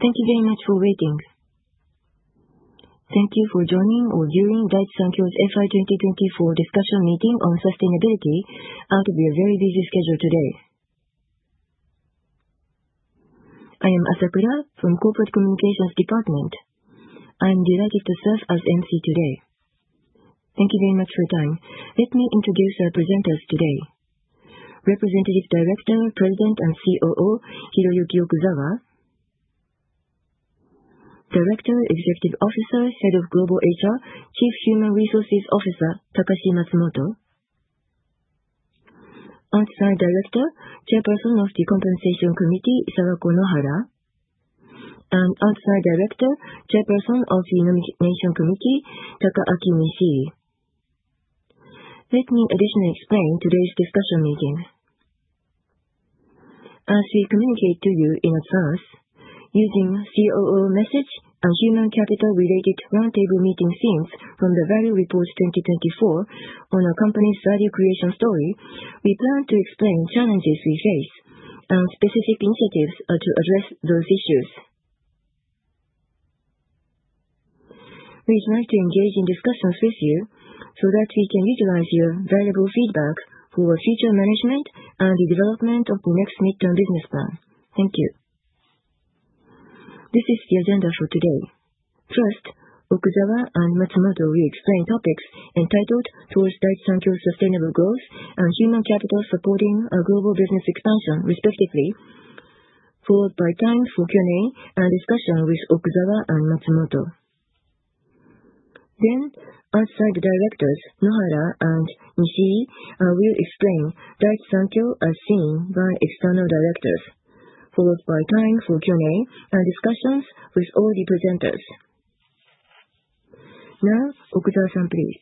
Thank you very much for waiting. Thank you for joining or viewing Daiichi Sankyo's FY 2024 discussion meeting on sustainability. I'll give you a very busy schedule today. I am Asakura from Corporate Communications Department. I'm delighted to serve as MC today. Thank you very much for your time. Let me introduce our presenters today: Representative Director, President and COO Hiroyuki Okuzawa, Director, Executive Officer, Head of Global HR, Chief Human Resources Officer Takashi Matsumoto, Outside Director, Chairperson of the Compensation Committee Sawako Nohara, and Outside Director, Chairperson of the Nomination Committee Takaaki Nishii. Let me additionally explain today's discussion meeting. As we communicate to you in advance, using COO message and human capital-related roundtable meeting themes from the Value Report 2024 on our company's value creation story, we plan to explain challenges we face and specific initiatives to address those issues. We'd like to engage in discussions with you so that we can utilize your valuable feedback for future management and the development of the next midterm business plan. Thank you. This is the agenda for today. First, Okuzawa and Matsumoto will explain topics entitled "Towards Daiichi Sankyo's Sustainable Growth and Human Capital Supporting a Global Business Expansion," respectively, followed by time for Q&A and discussion with Okuzawa and Matsumoto. Then, Outside Directors Nohara and Nishii will explain Daiichi Sankyo as seen by external directors, followed by time for Q&Aand discussions with all the presenters. Now, Okuzawa-san, please.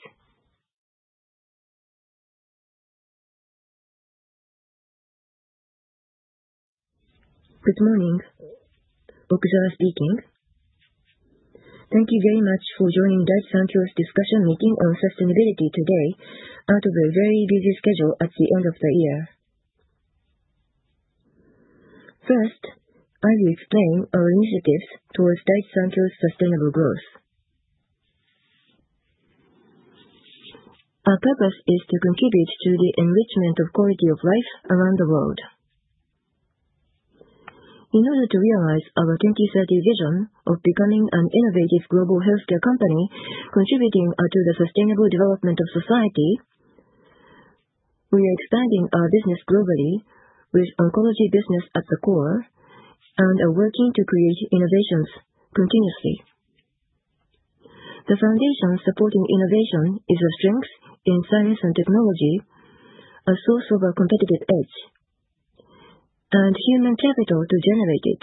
Good morning. Okuzawa speaking. Thank you very much for joining Daiichi Sankyo's discussion meeting on sustainability today out of a very busy schedule at the end of the year. First, I will explain our initiatives towards Daiichi Sankyo's sustainable growth. Our purpose is to contribute to the enrichment of quality of life around the world. In order to realize our 2030 vision of becoming an innovative global healthcare company contributing to the sustainable development of society, we are expanding our business globally with oncology business at the core and are working to create innovations continuously. The foundation supporting innovation is our strength in science and technology, a source of our competitive edge, and human capital to generate it.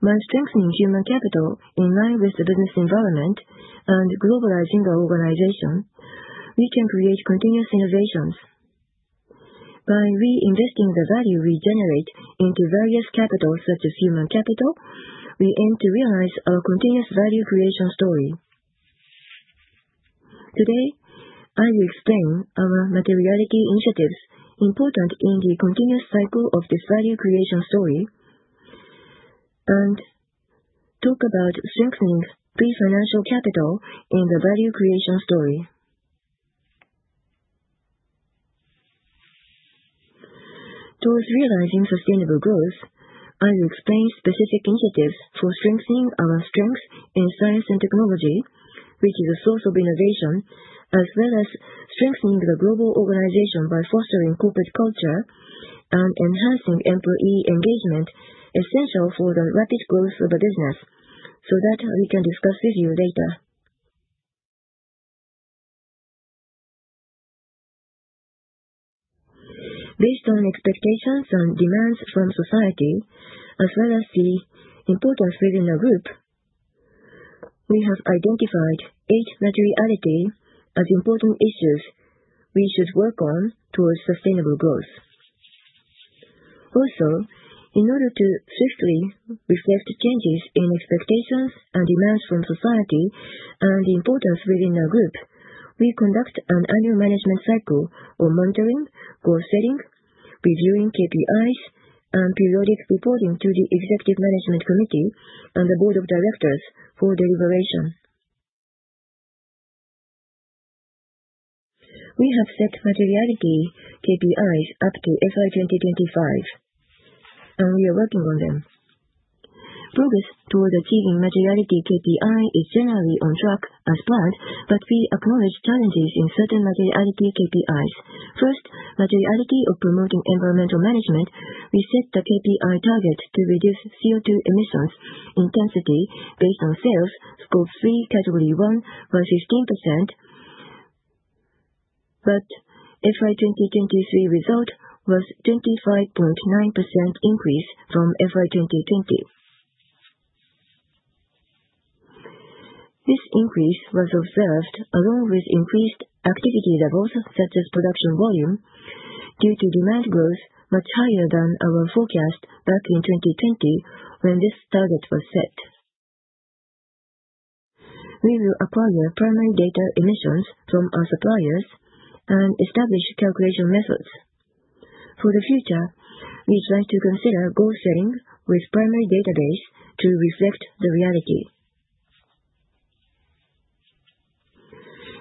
By strengthening human capital in line with the business environment and globalizing our organization, we can create continuous innovations. By reinvesting the value we generate into various capitals such as human capital, we aim to realize our continuous value creation story. Today, I will explain our materiality initiatives important in the continuous cycle of this value creation story and talk about strengthening pre-financial capital in the value creation story. Towards realizing sustainable growth, I will explain specific initiatives for strengthening our strength in science and technology, which is a source of innovation, as well as strengthening the global organization by fostering corporate culture and enhancing employee engagement essential for the rapid growth of a business so that we can discuss with you later. Based on expectations and demands from society, as well as the importance within our group, we have identified eight materialities as important issues we should work on towards sustainable growth. Also, in order to swiftly reflect changes in expectations and demands from society and the importance within our group, we conduct an annual management cycle of monitoring, goal setting, reviewing KPIs, and periodic reporting to the Executive Management Committee and the Board of Directors for deliberation. We have set materiality KPIs up to FY 2025, and we are working on them. Progress towards achieving Materiality KPI is generally on track as planned, but we acknowledge challenges in certain Materiality KPIs. First, Materiality of promoting environmental management. We set the KPI target to reduce CO2 emissions intensity based on sales, Scope 3, Category 1, by 15%, but FY 2023 result was a 25.9% increase from FY 2020. This increase was observed along with increased activity levels such as production volume due to demand growth much higher than our forecast back in 2020 when this target was set. We will acquire primary data emissions from our suppliers and establish calculation methods. For the future, we'd like to consider goal setting with primary database to reflect the reality.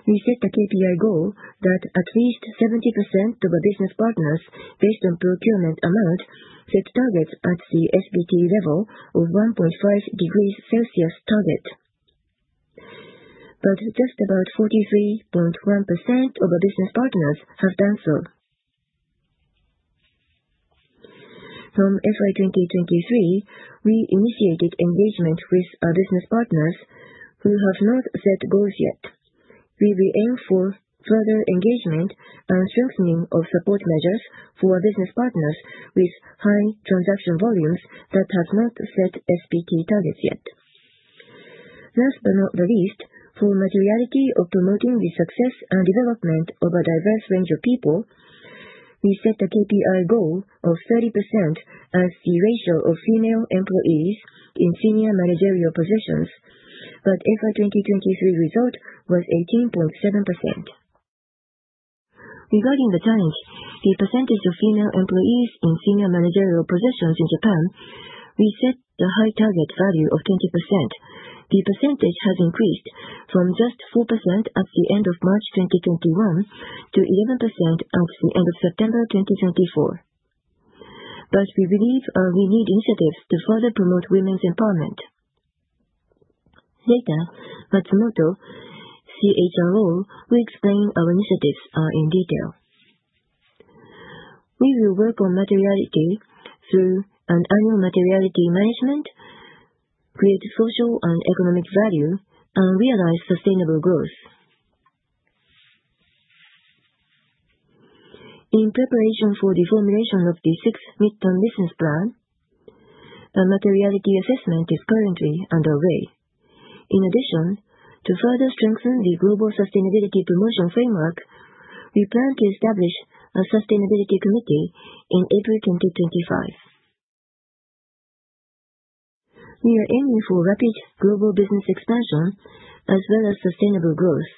We set the KPI goal that at least 70% of our business partners, based on procurement amount, set targets at the SBT level of 1.5 degrees Celsius target. But just about 43.1% of our business partners have done so. From FY 2023, we initiated engagement with our business partners who have not set goals yet. We will aim for further engagement and strengthening of support measures for our business partners with high transaction volumes that have not set SBT targets yet. Last but not least, for materiality of promoting the success and development of a diverse range of people, we set the KPI goal of 30% as the ratio of female employees in senior managerial positions, but FY 2023 result was 18.7%. Regarding the challenge, the percentage of female employees in senior managerial positions in Japan, we set the high target value of 20%. The percentage has increased from just 4% at the end of March 2021 to 11% at the end of September 2024. But we believe we need initiatives to further promote women's empowerment. Later, Matsumoto, CHRO, will explain our initiatives in detail. We will work on materiality through an annual materiality management, create social and economic value, and realize sustainable growth. In preparation for the formulation of the sixth midterm business plan, a materiality assessment is currently underway. In addition, to further strengthen the global sustainability promotion framework, we plan to establish a sustainability committee in April 2025. We are aiming for rapid global business expansion as well as sustainable growth.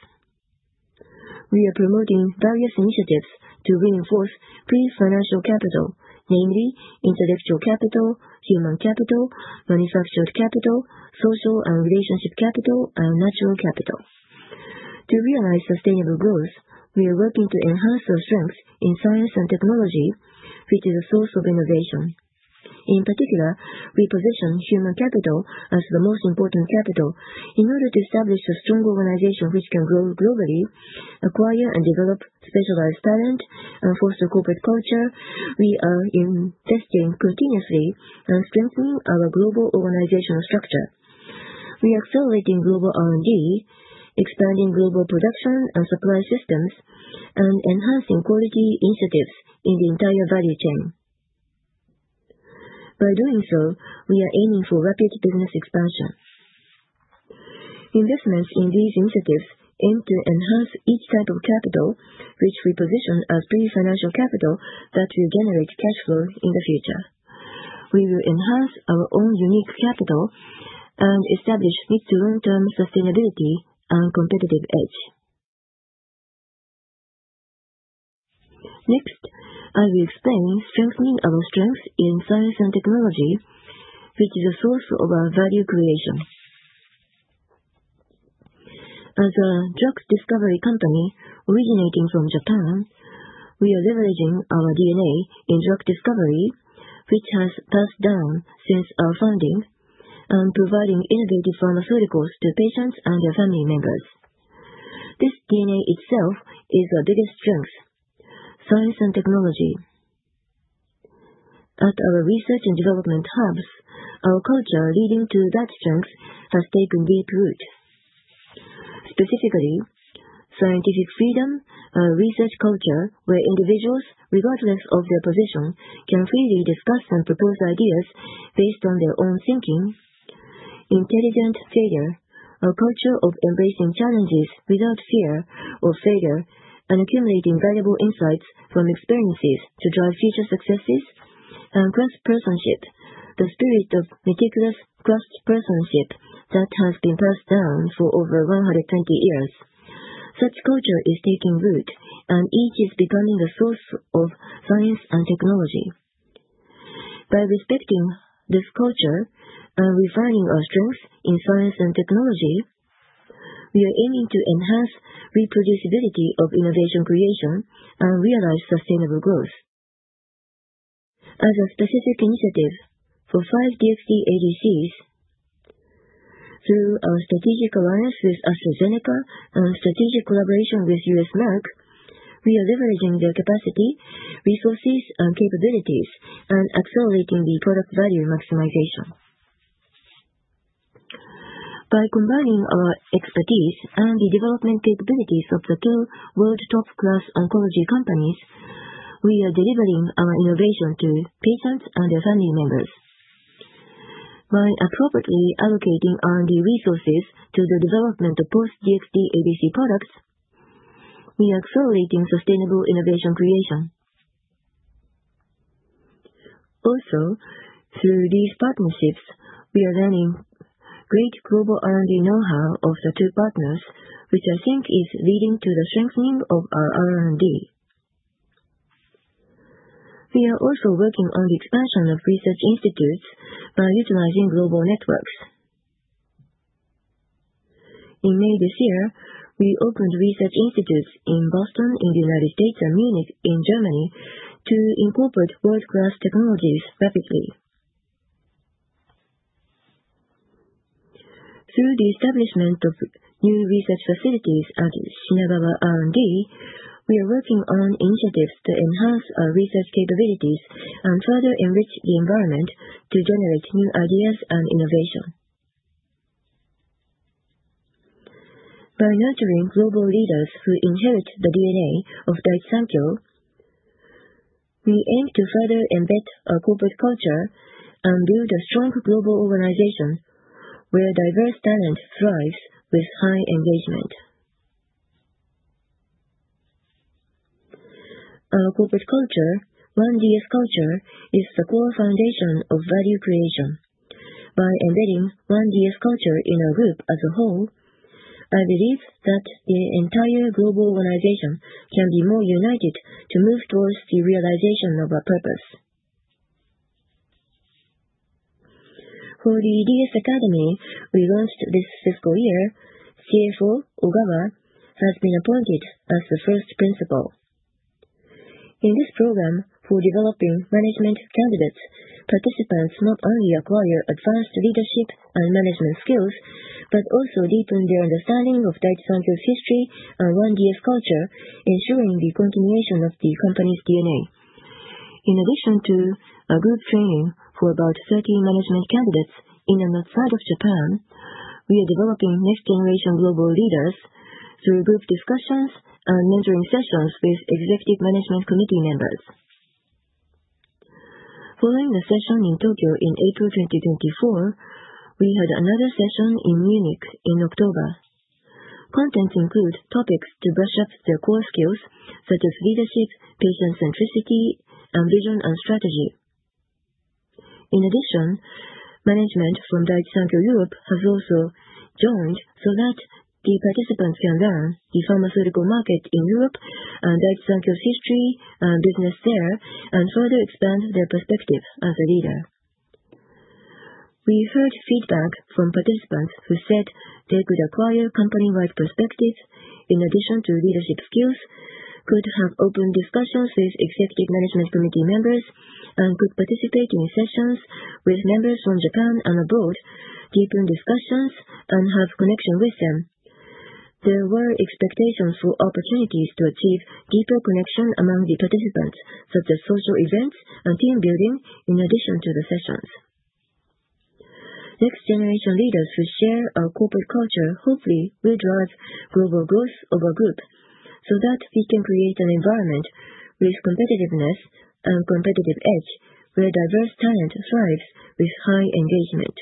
We are promoting various initiatives to reinforce pre-financial capital, namely intellectual capital, human capital, manufactured capital, social and relationship capital, and natural capital. To realize sustainable growth, we are working to enhance our strength in science and technology, which is a source of innovation. In particular, we position human capital as the most important capital. In order to establish a strong organization which can grow globally, acquire and develop specialized talent, and foster corporate culture, we are investing continuously and strengthening our global organizational structure. We are accelerating global R&D, expanding global production and supply systems, and enhancing quality initiatives in the entire value chain. By doing so, we are aiming for rapid business expansion. Investments in these initiatives aim to enhance each type of capital, which we position as pre-financial capital that will generate cash flow in the future. We will enhance our own unique capital and establish mid to long-term sustainability and competitive edge. Next, I will explain strengthening our strength in science and technology, which is a source of our value creation. As a drug discovery company originating from Japan, we are leveraging our DNA in drug discovery, which has passed down since our founding, and providing innovative pharmaceuticals to patients and their family members. This DNA itself is our biggest strength: science and technology. At our research and development hubs, our culture leading to that strength has taken deep root. Specifically, scientific freedom, a research culture where individuals, regardless of their position, can freely discuss and propose ideas based on their own thinking, intelligent failure, a culture of embracing challenges without fear of failure, and accumulating valuable insights from experiences to drive future successes, and craftsmanship, the spirit of meticulous craftsmanship that has been passed down for over 120 years. Such culture is taking root, and each is becoming a source of science and technology. By respecting this culture and refining our strength in science and technology, we are aiming to enhance reproducibility of innovation creation and realize sustainable growth. As a specific initiative for five DXd ADCs, through our strategic alliance with AstraZeneca and strategic collaboration with U.S. Merck, we are leveraging their capacity, resources, and capabilities and accelerating the product value maximization. By combining our expertise and the development capabilities of the two world top-class oncology companies, we are delivering our innovation to patients and their family members. By appropriately allocating R&D resources to the development of both DXd ADC products, we are accelerating sustainable innovation creation. Also, through these partnerships, we are learning great global R&D know-how of the two partners, which I think is leading to the strengthening of our R&D. We are also working on the expansion of research institutes by utilizing global networks. In May this year, we opened research institutes in Boston in the United States and Munich in Germany to incorporate world-class technologies rapidly. Through the establishment of new research facilities at Shinagawa R&D, we are working on initiatives to enhance our research capabilities and further enrich the environment to generate new ideas and innovation. By nurturing global leaders who inherit the DNA of Daiichi Sankyo, we aim to further embed our corporate culture and build a strong global organization where diverse talent thrives with high engagement. Our corporate culture, One DS Culture, is the core foundation of value creation. By embedding one DS culture in our group as a whole, I believe that the entire global organization can be more united to move towards the realization of our purpose. For the DS Academy, we launched this fiscal year. CFO Ogawa has been appointed as the first principal. In this program, for developing management candidates, participants not only acquire advanced leadership and management skills but also deepen their understanding of Daiichi Sankyo's history and 1DS Culture, ensuring the continuation of the company's DNA. In addition to our group training for about 30 management candidates in and outside of Japan, we are developing next-generation global leaders through group discussions and mentoring sessions with Executive Management Committee members. Following the session in Tokyo in April 2024, we had another session in Munich in October. Contents include topics to brush up their core skills such as leadership, patient centricity, and vision and strategy. In addition, management from Daiichi Sankyo Europe has also joined so that the participants can learn the pharmaceutical market in Europe and Daiichi Sankyo's history and business there and further expand their perspective as a leader. We heard feedback from participants who said they could acquire company-wide perspectives in addition to leadership skills, could have open discussions with Executive Management Committee members, and could participate in sessions with members from Japan and abroad, deepen discussions, and have connection with them. There were expectations for opportunities to achieve deeper connection among the participants, such as social events and team building in addition to the sessions. Next-generation leaders who share our corporate culture hopefully will drive global growth of our group so that we can create an environment with competitiveness and competitive edge where diverse talent thrives with high engagement.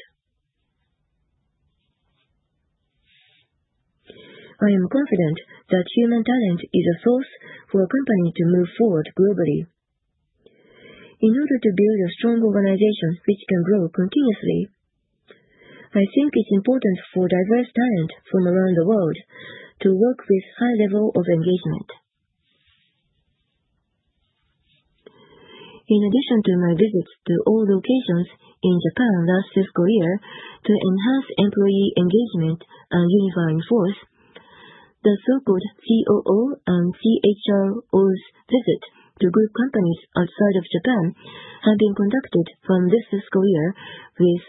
I am confident that human talent is a source for a company to move forward globally. In order to build a strong organization which can grow continuously, I think it's important for diverse talent from around the world to work with high level of engagement. In addition to my visits to all locations in Japan last fiscal year to enhance employee engagement and unifying force, the so-called COO and CHRO's visit to group companies outside of Japan have been conducted from this fiscal year with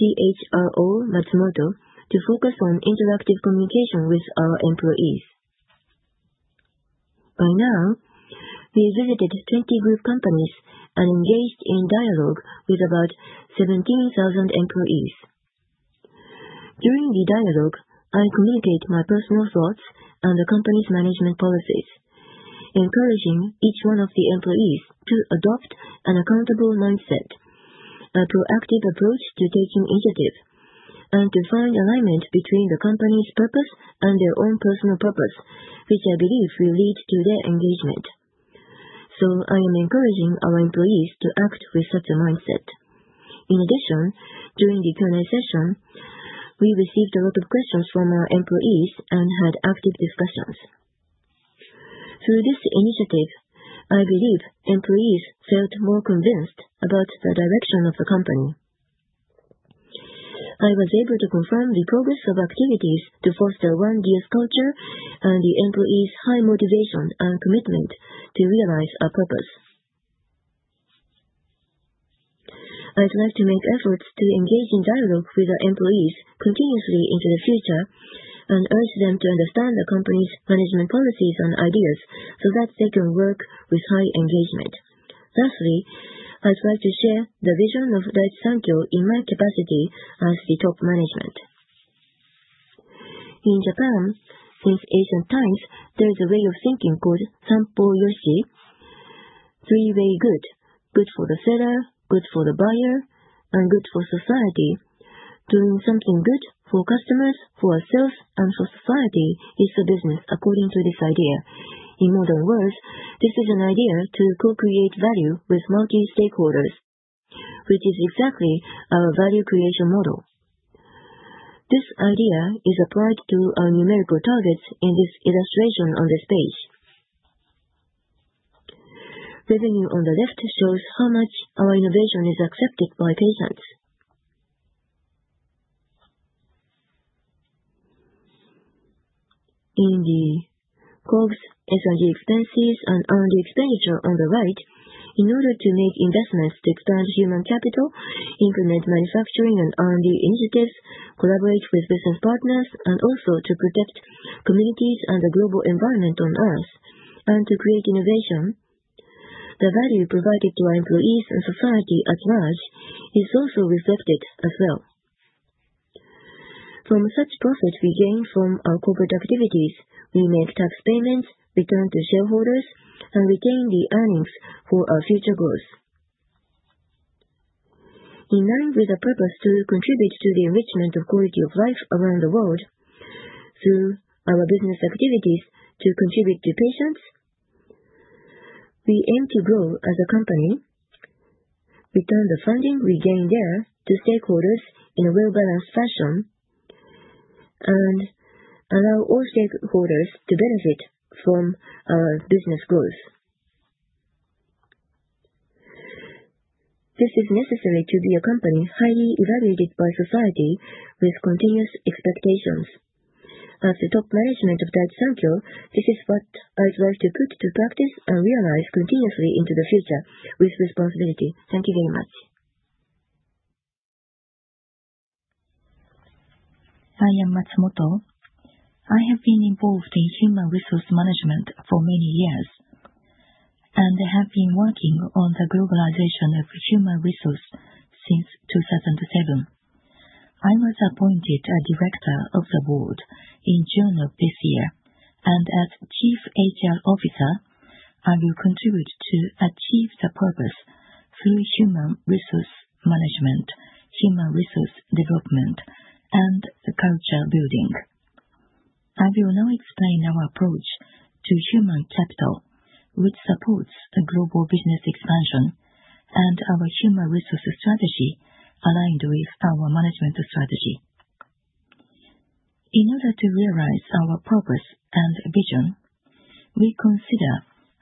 CHRO Matsumoto to focus on interactive communication with our employees. By now, we have visited 20 group companies and engaged in dialogue with about 17,000 employees. During the dialogue, I communicate my personal thoughts and the company's management policies, encouraging each one of the employees to adopt an accountable mindset, a proactive approach to taking initiative, and to find alignment between the company's purpose and their own personal purpose, which I believe will lead to their engagement. So I am encouraging our employees to act with such a mindset. In addition, during the Q&A session, we received a lot of questions from our employees and had active discussions. Through this initiative, I believe employees felt more convinced about the direction of the company. I was able to confirm the progress of activities to foster 1DS Culture and the employees' high motivation and commitment to realize our purpose. I'd like to make efforts to engage in dialogue with our employees continuously into the future and urge them to understand the company's management policies and ideas so that they can work with high engagement. Lastly, I'd like to share the vision of Daiichi Sankyo in my capacity as the top management. In Japan, since ancient times, there is a way of thinking called Sanpō Yoshi, three-way good, good for the seller, good for the buyer, and good for society. Doing something good for customers, for ourselves, and for society is the business according to this idea. In modern words, this is an idea to co-create value with multi-stakeholders, which is exactly our value creation model. This idea is applied to our numerical targets in this illustration on this page. Revenue on the left shows how much our innovation is accepted by patients. In the COGS, S&G expenses, and R&D expenditure on the right, in order to make investments to expand human capital, implement manufacturing and R&D initiatives, collaborate with business partners, and also to protect communities and the global environment on earth, and to create innovation, the value provided to our employees and society at large is also reflected as well. From such profit we gain from our corporate activities, we make tax payments, return to shareholders, and retain the earnings for our future growth. In line with our purpose to contribute to the enrichment of quality of life around the world through our business activities to contribute to patients, we aim to grow as a company, return the funding we gain there to stakeholders in a well-balanced fashion, and allow all stakeholders to benefit from our business growth. This is necessary to be a company highly evaluated by society with continuous expectations. As the top management of Daiichi Sankyo, this is what I'd like to put to practice and realize continuously into the future with responsibility. Thank you very much. I am Matsumoto. I have been involved in human resource management for many years, and I have been working on the globalization of human resource since 2007. I was appointed a director of the board in June of this year, and as Chief HR Officer, I will contribute to achieve the purpose through human resource management, human resource development, and culture building. I will now explain our approach to human capital, which supports global business expansion, and our human resource strategy aligned with our management strategy. In order to realize our purpose and vision, we consider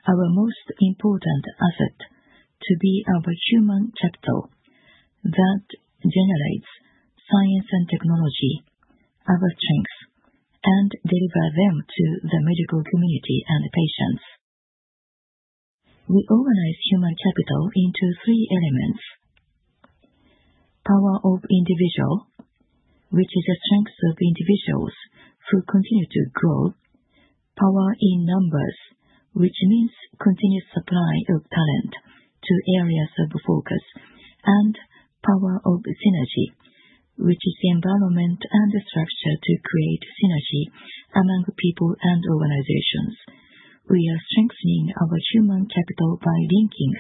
our most important asset to be our human capital that generates science and technology, our strengths, and deliver them to the medical community and patients. We organize human capital into three elements: power of individual, which is the strengths of individuals who continue to grow; power in numbers, which means continuous supply of talent to areas of focus; and power of synergy, which is the environment and structure to create synergy among people and organizations. We are strengthening our human capital by linking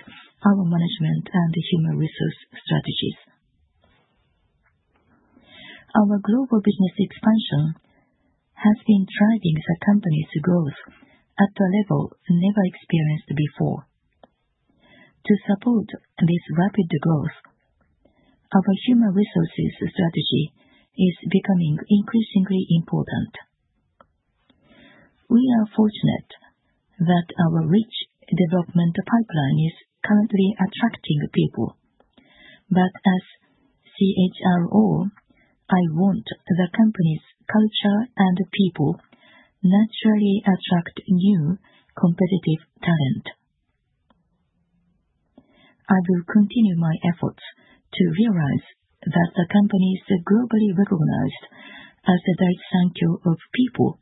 our management and human resource strategies. Our global business expansion has been driving the company's growth at a level never experienced before. To support this rapid growth, our human resources strategy is becoming increasingly important. We are fortunate that our rich development pipeline is currently attracting people, but as CHRO, I want the company's culture and people naturally attract new competitive talent. I will continue my efforts to realize that the company is globally recognized as the Daiichi Sankyo of people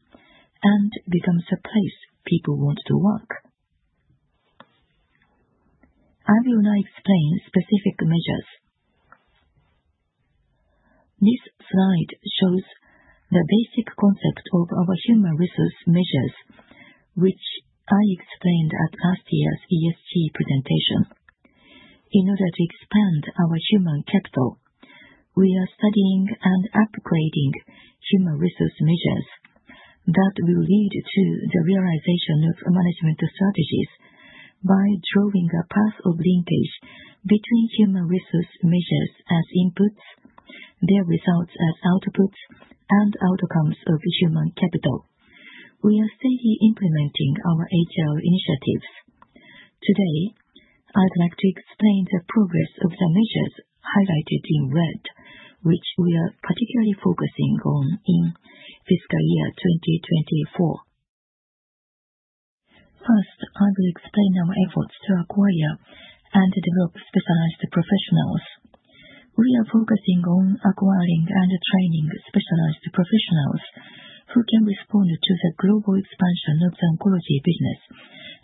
and becomes a place people want to work. I will now explain specific measures. This slide shows the basic concept of our human resource measures, which I explained at last year's ESG presentation. In order to expand our human capital, we are studying and upgrading human resource measures that will lead to the realization of management strategies by drawing a path of linkage between human resource measures as inputs, their results as outputs, and outcomes of human capital. We are steadily implementing our HR initiatives. Today, I'd like to explain the progress of the measures highlighted in red, which we are particularly focusing on in fiscal year 2024. First, I will explain our efforts to acquire and develop specialized professionals. We are focusing on acquiring and training specialized professionals who can respond to the global expansion of the oncology business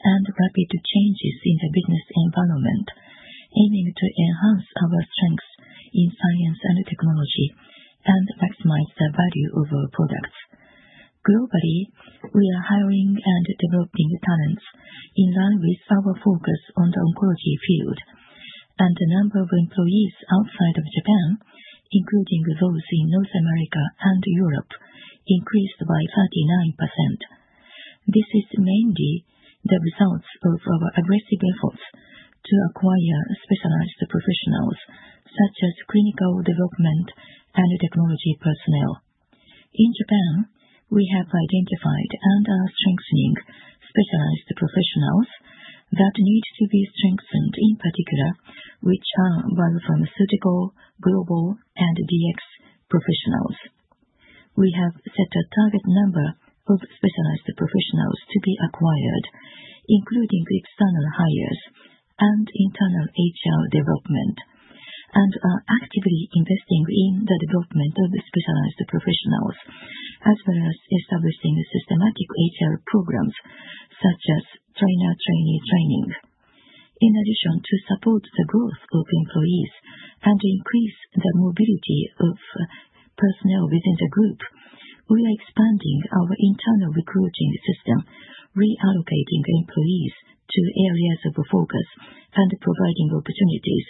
and rapid changes in the business environment, aiming to enhance our strengths in science and technology and maximize the value of our products. Globally, we are hiring and developing talents in line with our focus on the oncology field, and the number of employees outside of Japan, including those in North America and Europe, increased by 39%. This is mainly the result of our aggressive efforts to acquire specialized professionals such as clinical development and technology personnel. In Japan, we have identified and are strengthening specialized professionals that need to be strengthened in particular, which are biopharmaceutical, global, and DX professionals. We have set a target number of specialized professionals to be acquired, including external hires and internal HR development, and are actively investing in the development of specialized professionals, as well as establishing systematic HR programs such as trainer-trainee training. In addition to support the growth of employees and increase the mobility of personnel within the group, we are expanding our internal recruiting system, reallocating employees to areas of focus, and providing opportunities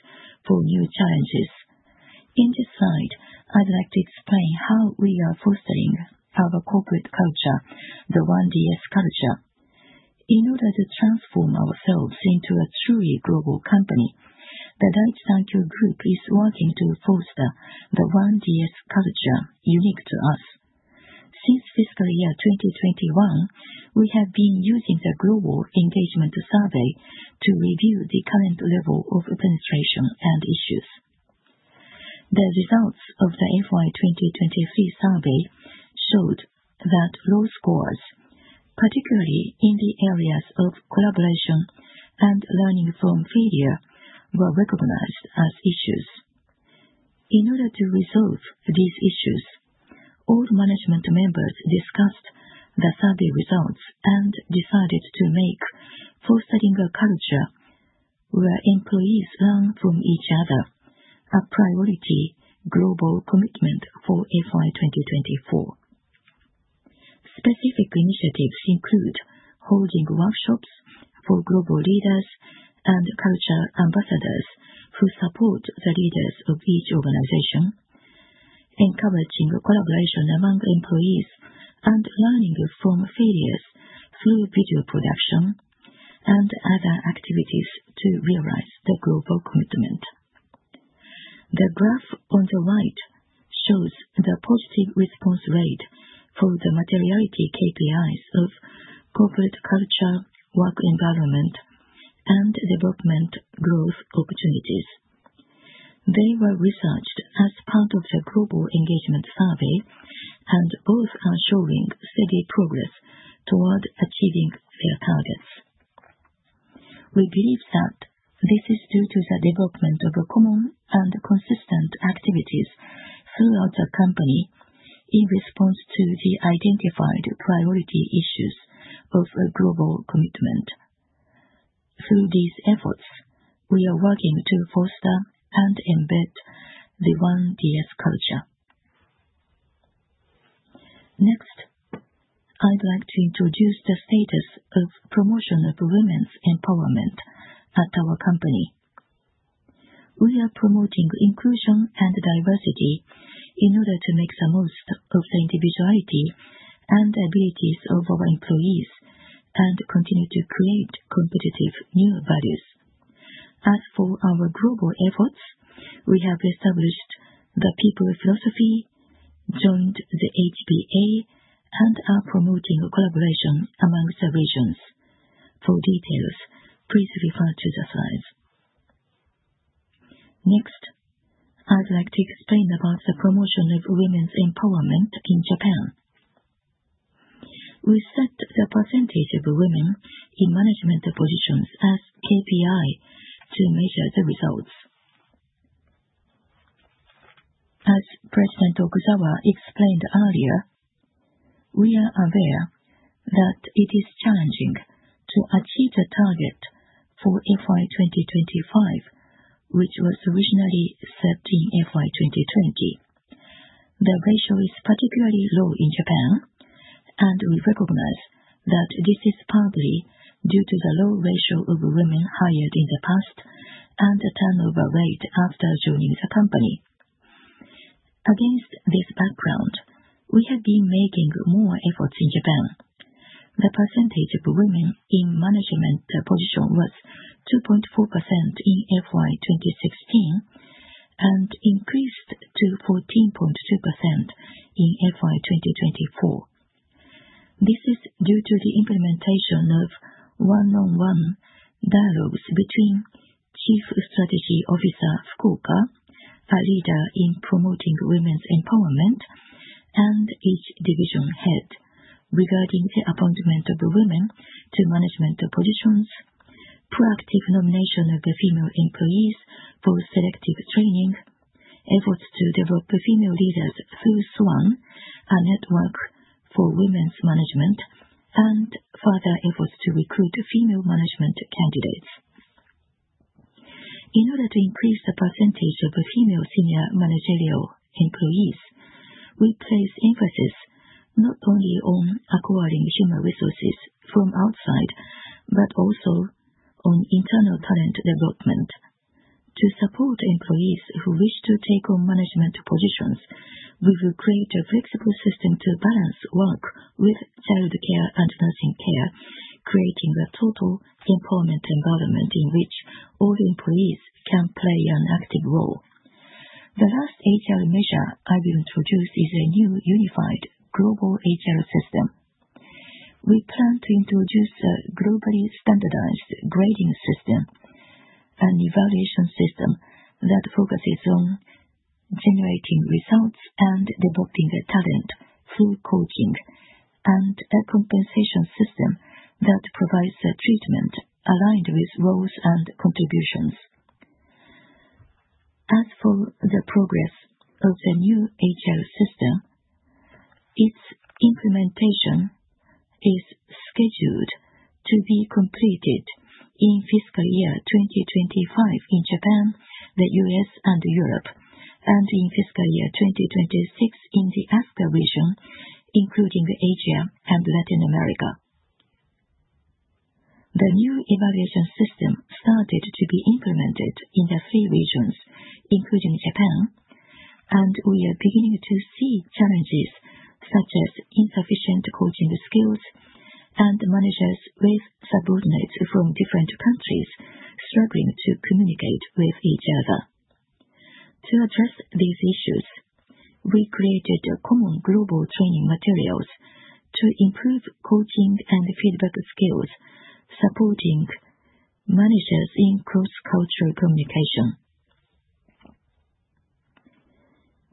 for new challenges. In this slide, I'd like to explain how we are fostering our corporate culture, the 1DS Culture. In order to transform ourselves into a truly global company, the Daiichi Sankyo Group is working to foster the 1DS Culture unique to us. Since fiscal year 2021, we have been using the Global Engagement Survey to review the current level of penetration and issues. The results of the FY 2023 survey showed that low scores, particularly in the areas of collaboration and learning from failure, were recognized as issues. In order to resolve these issues, all management members discussed the survey results and decided to make fostering a culture where employees learn from each other a priority global commitment for FY 2024. Specific initiatives include holding workshops for global leaders and culture ambassadors who support the leaders of each organization, encouraging collaboration among employees and learning from failures through video production and other activities to realize the global commitment. The graph on the right shows the positive response rate for the materiality KPIs of corporate culture, work environment, and development growth opportunities. They were researched as part of the Global Engagement Survey, and both are showing steady progress toward achieving their targets. We believe that this is due to the development of common and consistent activities throughout the company in response to the identified priority issues of global commitment. Through these efforts, we are working to foster and embed the 1DS culture. Next, I'd like to introduce the status of promotion of women's empowerment at our company. We are promoting inclusion and diversity in order to make the most of the individuality and abilities of our employees and continue to create competitive new values. As for our global efforts, we have established the People Philosophy, joined the HPA, and are promoting collaboration amongst regions. For details, please refer to the slides. Next, I'd like to explain about the promotion of women's empowerment in Japan. We set the percentage of women in management positions as KPI to measure the results. As President Okuzawa explained earlier, we are aware that it is challenging to achieve the target for FY 2025, which was originally set in FY 2020. The ratio is particularly low in Japan, and we recognize that this is partly due to the low ratio of women hired in the past and turnover rate after joining the company. Against this background, we have been making more efforts in Japan. The percentage of women in management positions was 2.4% in FY 2016 and increased to 14.2% in FY 2024. This is due to the implementation of one-on-one dialogues between Chief Strategy Officer Fukuoka, a leader in promoting women's empowerment, and each division head regarding the appointment of women to management positions, proactive nomination of female employees for selective training, efforts to develop female leaders through SWAN, a network for women's management, and further efforts to recruit female management candidates. In order to increase the percentage of female senior managerial employees, we place emphasis not only on acquiring human resources from outside but also on internal talent development. To support employees who wish to take on management positions, we will create a flexible system to balance work with childcare and nursing care, creating a total employment environment in which all employees can play an active role. The last HR measure I will introduce is a new unified global HR system. We plan to introduce a globally standardized grading system, an evaluation system that focuses on generating results and developing talent through coaching, and a compensation system that provides treatment aligned with roles and contributions. As for the progress of the new HR system, its implementation is scheduled to be completed in fiscal year 2025 in Japan, the U.S., and Europe, and in fiscal year 2026 in the ASCA region, including Asia and Latin America. The new evaluation system started to be implemented in the three regions, including Japan, and we are beginning to see challenges such as insufficient coaching skills and managers with subordinates from different countries struggling to communicate with each other. To address these issues, we created common global training materials to improve coaching and feedback skills, supporting managers in cross-cultural communication.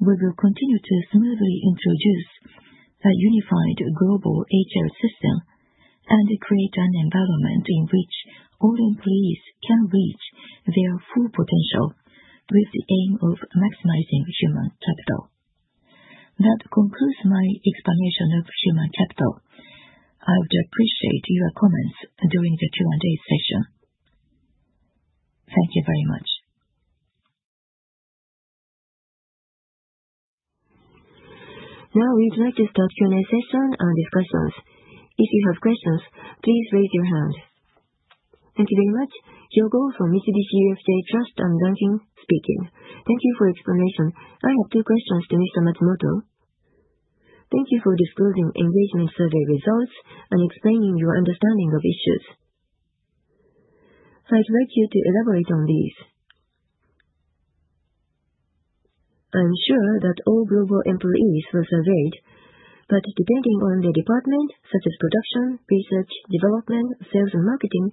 We will continue to smoothly introduce a unified global HR system and create an environment in which all employees can reach their full potential with the aim of maximizing human capital. That concludes my explanation of human capital. I would appreciate your comments during the Q&A session. Thank you very much. Now, we would like to start Q&A session and discussions. If you have questions, please raise your hand. Thank you very much. Hyo Go from Mitsubishi UFJ Trust and Banking speaking. Thank you for the explanation. I have two questions to Mr. Matsumoto. Thank you for disclosing engagement survey results and explaining your understanding of issues. I'd like you to elaborate on these. I'm sure that all global employees were surveyed, but depending on the department, such as production, research, development, sales, and marketing,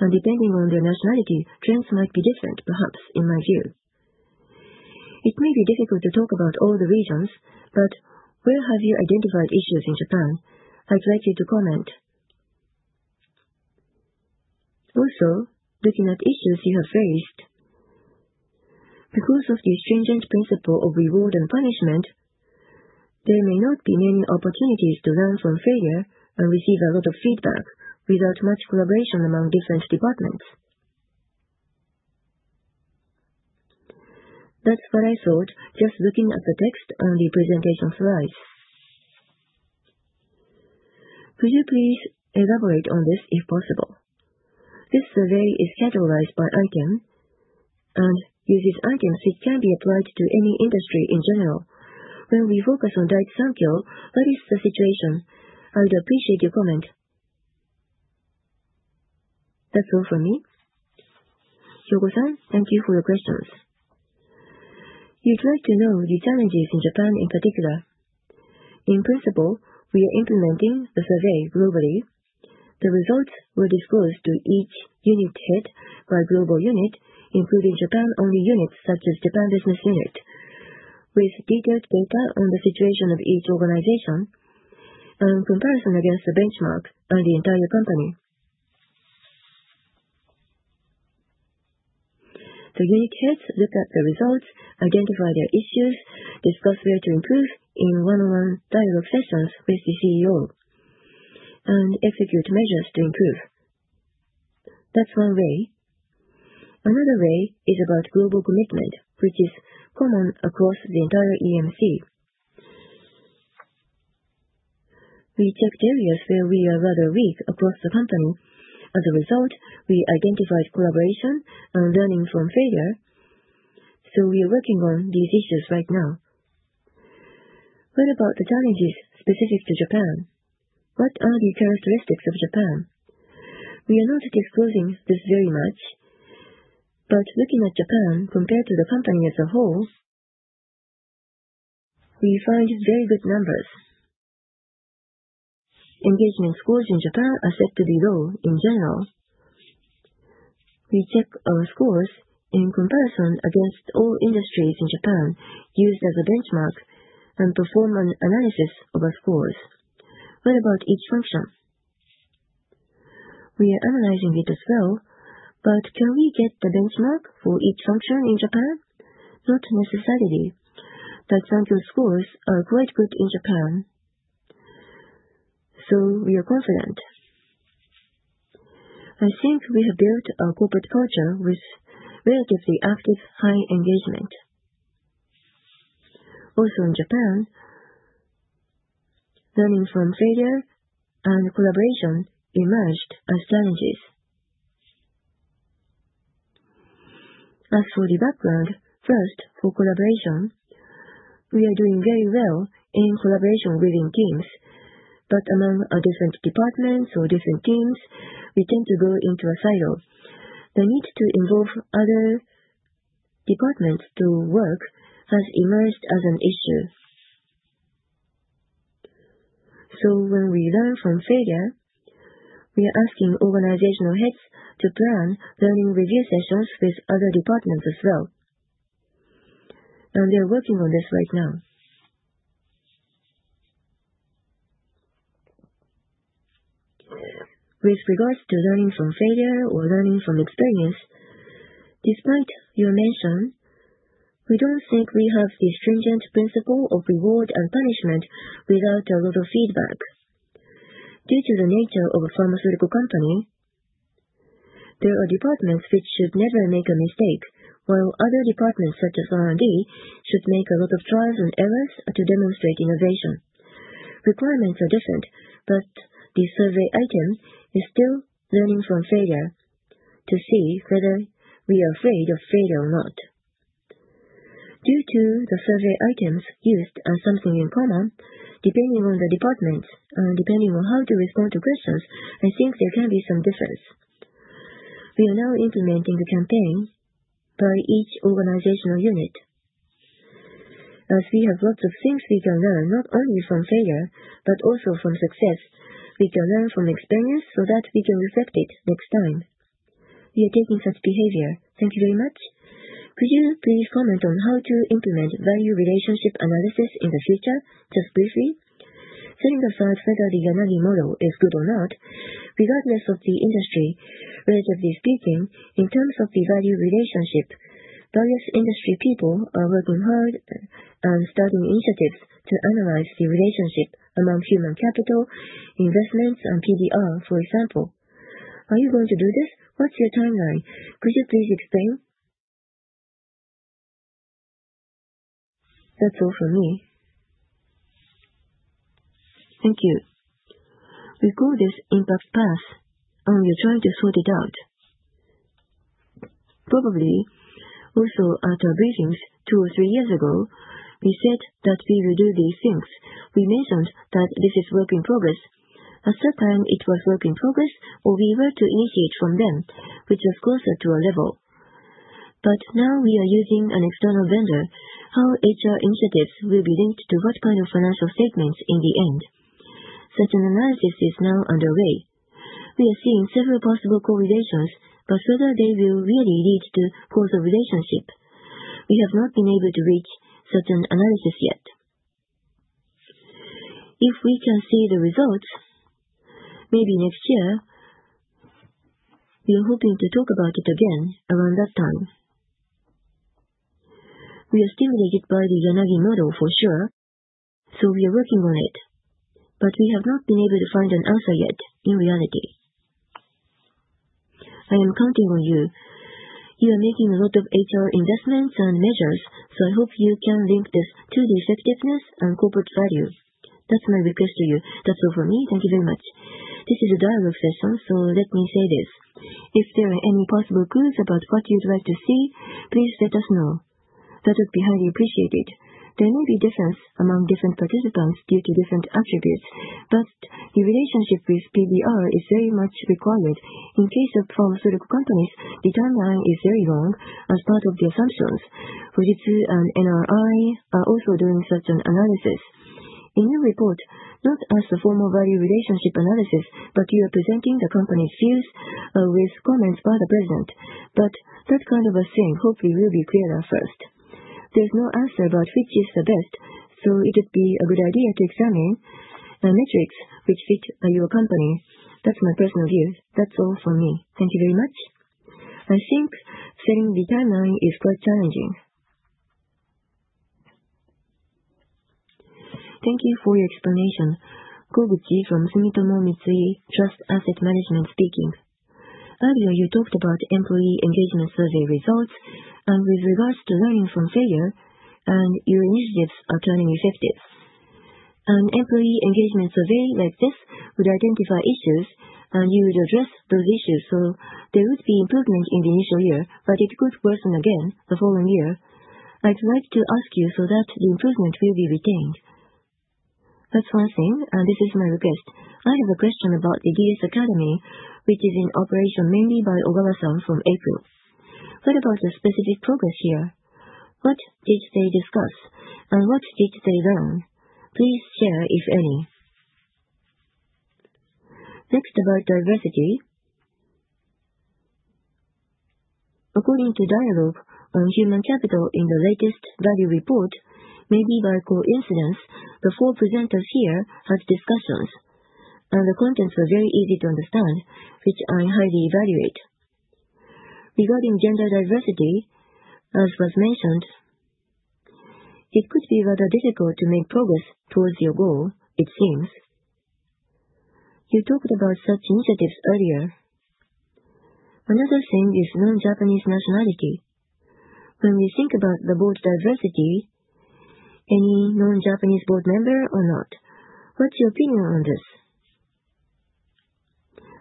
and depending on their nationality, trends might be different, perhaps, in my view. It may be difficult to talk about all the regions, but where have you identified issues in Japan? I'd like you to comment. Also, looking at issues you have faced, because of the stringent principle of reward and punishment, there may not be many opportunities to learn from failure and receive a lot of feedback without much collaboration among different departments. That's what I thought, just looking at the text on the presentation slides. Could you please elaborate on this if possible? This survey is categorized by item and uses items that can be applied to any industry in general. When we focus on Daiichi Sankyo, what is the situation? I would appreciate your comment. That's all from me. Hyo Go-san, thank you for your questions. You'd like to know the challenges in Japan in particular. In principle, we are implementing the survey globally. The results were disclosed to each unit head by global unit, including Japan-only units such as Japan Business Unit, with detailed data on the situation of each organization and comparison against the benchmark and the entire company. The unit heads look at the results, identify their issues, discuss where to improve in one-on-one dialogue sessions with the CEO, and execute measures to improve. That's one way. Another way is about global commitment, which is common across the entire EMC. We checked areas where we are rather weak across the company. As a result, we identified collaboration and learning from failure, so we are working on these issues right now. What about the challenges specific to Japan? What are the characteristics of Japan? We are not disclosing this very much, but looking at Japan compared to the company as a whole, we find very good numbers. Engagement scores in Japan are said to be low in general. We check our scores in comparison against all industries in Japan, use as a benchmark, and perform an analysis of our scores. What about each function? We are analyzing it as well, but can we get the benchmark for each function in Japan? Not necessarily. Daiichi Sankyo scores are quite good in Japan, so we are confident. I think we have built our corporate culture with relatively active high engagement. Also, in Japan, learning from failure and collaboration emerged as challenges. As for the background, first, for collaboration, we are doing very well in collaboration within teams, but among our different departments or different teams, we tend to go into a silo. The need to involve other departments to work has emerged as an issue, so when we learn from failure, we are asking organizational heads to plan learning review sessions with other departments as well, and they are working on this right now. With regards to learning from failure or learning from experience, despite your mention, we don't think we have the stringent principle of reward and punishment without a lot of feedback. Due to the nature of a pharmaceutical company, there are departments which should never make a mistake, while other departments such as R&D should make a lot of trials and errors to demonstrate innovation. Requirements are different, but the survey item is still learning from failure to see whether we are afraid of failure or not. Due to the survey items used as something in common, depending on the departments and depending on how to respond to questions, I think there can be some difference. We are now implementing a campaign by each organizational unit. As we have lots of things we can learn not only from failure but also from success, we can learn from experience so that we can reflect it next time. We are taking such behavior. Thank you very much. Could you please comment on how to implement value relationship analysis in the future, just briefly? Setting aside whether the Yanagi Model is good or not, regardless of the industry, relatively speaking, in terms of the value relationship, various industry people are working hard and starting initiatives to analyze the relationship among human capital, investments, and PBR, for example. Are you going to do this? What's your timeline? Could you please explain? That's all from me. Thank you. We call this impact path, and we are trying to sort it out. Probably, also at our briefings two or three years ago, we said that we will do these things. We mentioned that this is work in progress. At that time, it was work in progress, or we were to initiate from them, which was closer to our level. But now we are using an external vendor. How HR initiatives will be linked to what kind of financial statements in the end? Such an analysis is now underway. We are seeing several possible correlations, but whether they will really lead to causal relationship, we have not been able to reach such an analysis yet. If we can see the results, maybe next year, we are hoping to talk about it again around that time. We are stimulated by the Yanagi Model for sure, so we are working on it, but we have not been able to find an answer yet in reality. I am counting on you. You are making a lot of HR investments and measures, so I hope you can link this to the effectiveness and corporate value. That's my request to you. That's all from me. Thank you very much. This is a dialogue session, so let me say this. If there are any possible clues about what you'd like to see, please let us know. That would be highly appreciated. There may be difference among different participants due to different attributes, but the relationship with PBR is very much required. In case of pharmaceutical companies, the timeline is very long as part of the assumptions. Fujitsu and NRI are also doing such an analysis. In your report, not as a formal value relationship analysis, but you are presenting the company's views with comments by the president. But that kind of a thing, hopefully, will be clearer first. There's no answer about which is the best, so it would be a good idea to examine metrics which fit your company. That's my personal view. That's all from me. Thank you very much. I think setting the timeline is quite challenging. Thank you for your explanation. Koguchi from Sumitomo Mitsui Trust Asset Management speaking. Earlier, you talked about employee engagement survey results and with regards to learning from failure and your initiatives are turning effective. An employee engagement survey like this would identify issues, and you would address those issues, so there would be improvement in the initial year, but it could worsen again the following year. I'd like to ask you so that the improvement will be retained. That's one thing, and this is my request. I have a question about the DS Academy, which is in operation mainly by Ogawa, some from April. What about the specific progress here? What did they discuss, and what did they learn? Please share if any. Next, about diversity. According to dialogue on human capital in the latest value report, maybe by coincidence, the four presenters here had discussions, and the contents were very easy to understand, which I highly evaluate. Regarding gender diversity, as was mentioned, it could be rather difficult to make progress towards your goal, it seems. You talked about such initiatives earlier. Another thing is non-Japanese nationality. When we think about the board diversity, any non-Japanese board member or not, what's your opinion on this?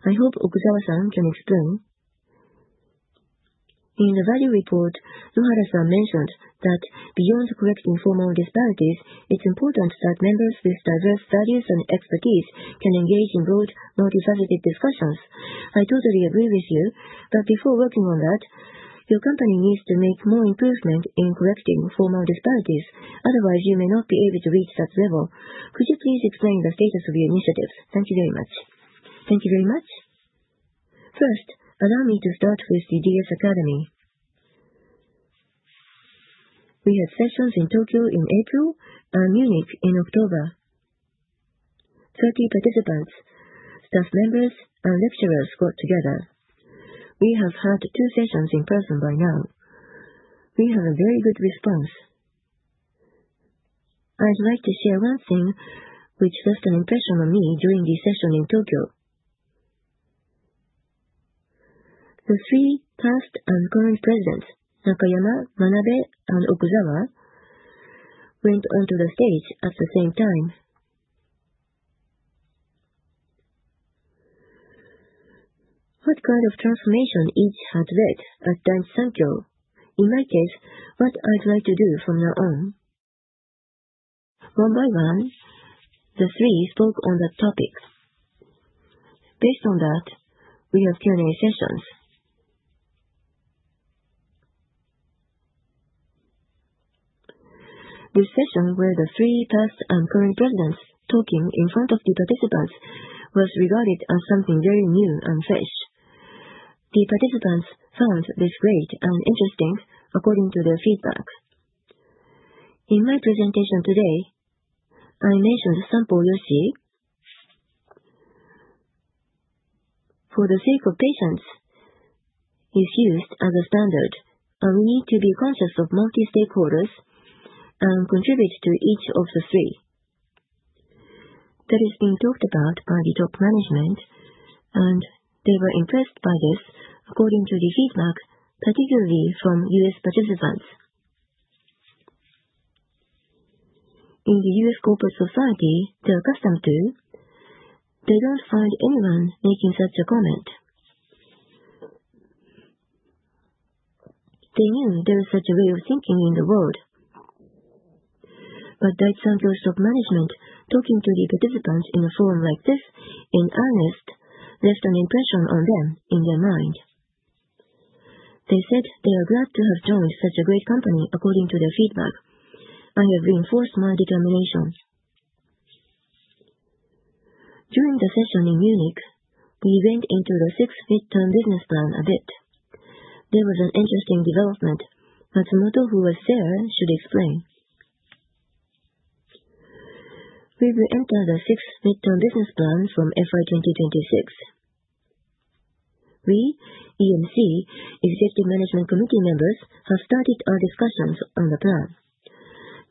I hope Okuzawa-san can explain. In the value report, Nohara-san mentioned that beyond correcting formal disparities, it's important that members with diverse values and expertise can engage in broad, multifaceted discussions. I totally agree with you, but before working on that, your company needs to make more improvement in correcting formal disparities. Otherwise, you may not be able to reach that level. Could you please explain the status of your initiatives? Thank you very much. Thank you very much. First, allow me to start with the DS Academy. We had sessions in Tokyo in April and Munich in October. 30 participants, staff members, and lecturers got together. We have had two sessions in person by now. We have a very good response. I'd like to share one thing which left an impression on me during the session in Tokyo. The three past and current presidents, Nakayama, Manabe, and Okuzawa, went onto the stage at the same time. What kind of transformation each had led at Daiichi Sankyo? In my case, what I'd like to do from now on? One by one, the three spoke on that topic. Based on that, we have Q&A sessions. The session where the three past and current presidents talking in front of the participants was regarded as something very new and fresh. The participants found this great and interesting according to their feedback. In my presentation today, I mentioned Sanpō Yoshi. Sanpō Yoshi is used as a standard, and we need to be conscious of multi-stakeholders and contribute to each of the three. That has been talked about by the top management, and they were impressed by this according to the feedback, particularly from U.S. participants. In the U.S. corporate society, they're accustomed to. They don't find anyone making such a comment. They knew there is such a way of thinking in the world, but Daiichi Sankyo's top management talking to the participants in a forum like this in earnest left an impression on them in their mind. They said they are glad to have joined such a great company according to their feedback. I have reinforced my determination. During the session in Munich, we went into the six midterm business plan a bit. There was an interesting development. Matsumoto, who was there, should explain. We will enter the six midterm business plan from FY 2026. We, EMC, Executive Management Committee members, have started our discussions on the plan.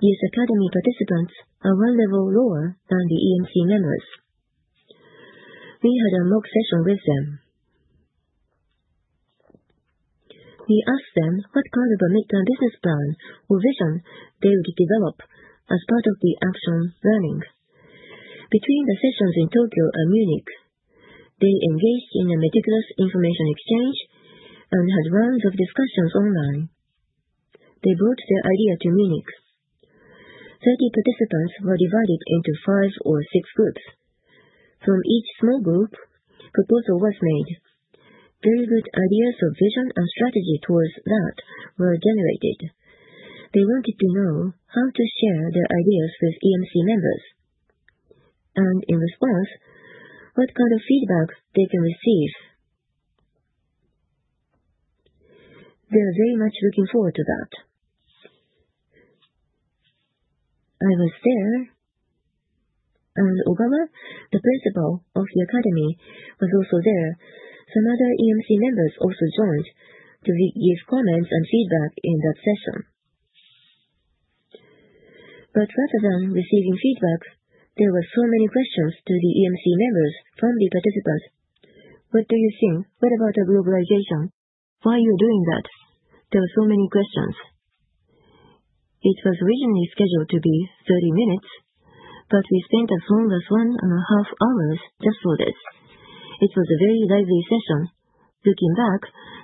DS Academy participants are one level lower than the EMC members. We had a mock session with them. We asked them what kind of a midterm business plan or vision they would develop as part of the actual learning. Between the sessions in Tokyo and Munich, they engaged in a meticulous information exchange and had rounds of discussions online. They brought their idea to Munich. 30 participants were divided into five or six groups. From each small group, proposal was made. Very good ideas of vision and strategy toward that were generated. They wanted to know how to share their ideas with EMC members, and in response, what kind of feedback they can receive. They are very much looking forward to that. I was there, and Ogawa, the principal of the academy, was also there. Some other EMC members also joined to give comments and feedback in that session. But rather than receiving feedback, there were so many questions to the EMC members from the participants. What do you think? What about the globalization? Why are you doing that? There were so many questions. It was originally scheduled to be 30 minutes, but we spent as long as one and a half hours just for this. It was a very lively session. Looking back,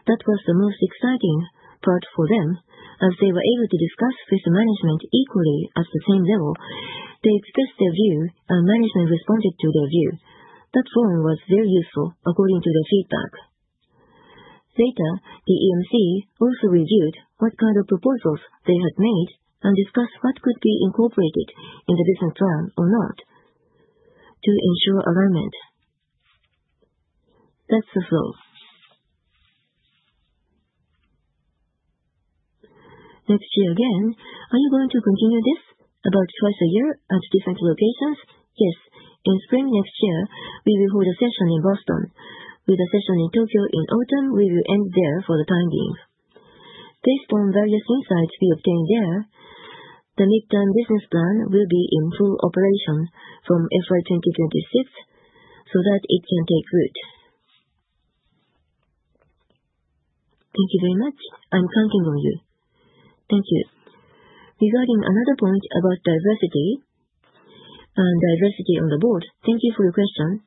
that was the most exciting part for them as they were able to discuss with the management equally at the same level. They expressed their view, and management responded to their view. That forum was very useful according to their feedback. Later, the EMC also reviewed what kind of proposals they had made and discussed what could be incorporated in the business plan or not to ensure alignment. That's the flow. Next year again. Are you going to continue this about twice a year at different locations? Yes. In spring next year, we will hold a session in Boston. With a session in Tokyo in autumn, we will end there for the time being. Based on various insights we obtained there, the midterm business plan will be in full operation from FY 2026 so that it can take root. Thank you very much. I'm counting on you. Thank you. Regarding another point about diversity on the board, thank you for your question.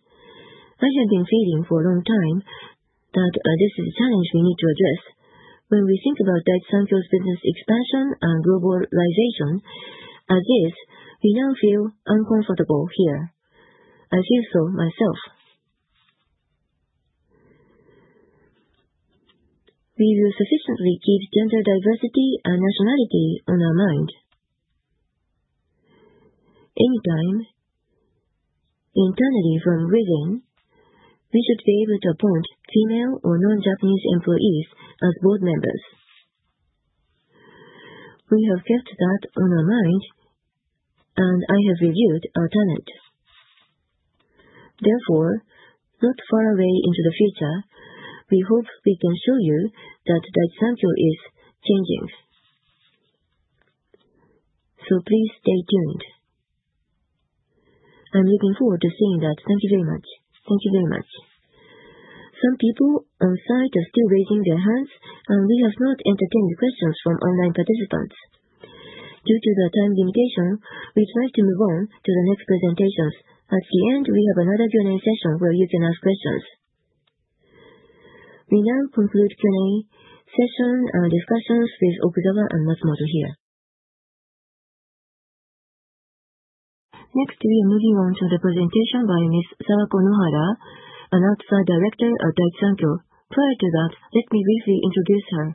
I have been feeling for a long time that this is a challenge we need to address. When we think about Daiichi Sankyo's business expansion and globalization as is, we now feel uncomfortable here. I feel so myself. We will sufficiently keep gender diversity and nationality on our mind. Anytime, internally from within, we should be able to appoint female or non-Japanese employees as board members. We have kept that on our mind, and I have reviewed our talent. Therefore, not far away into the future, we hope we can show you that Daiichi Sankyo is changing. So please stay tuned. I'm looking forward to seeing that. Thank you very much. Thank you very much. Some people on site are still raising their hands, and we have not entertained questions from online participants. Due to the time limitation, we'd like to move on to the next presentations. At the end, we have another Q&A session where you can ask questions. We now conclude Q&A session and discussions with Okuzawa and Matsumoto here. Next, we are moving on to the presentation by Ms. Sawako Nohara, an outside director at Daiichi Sankyo. Prior to that, let me briefly introduce her.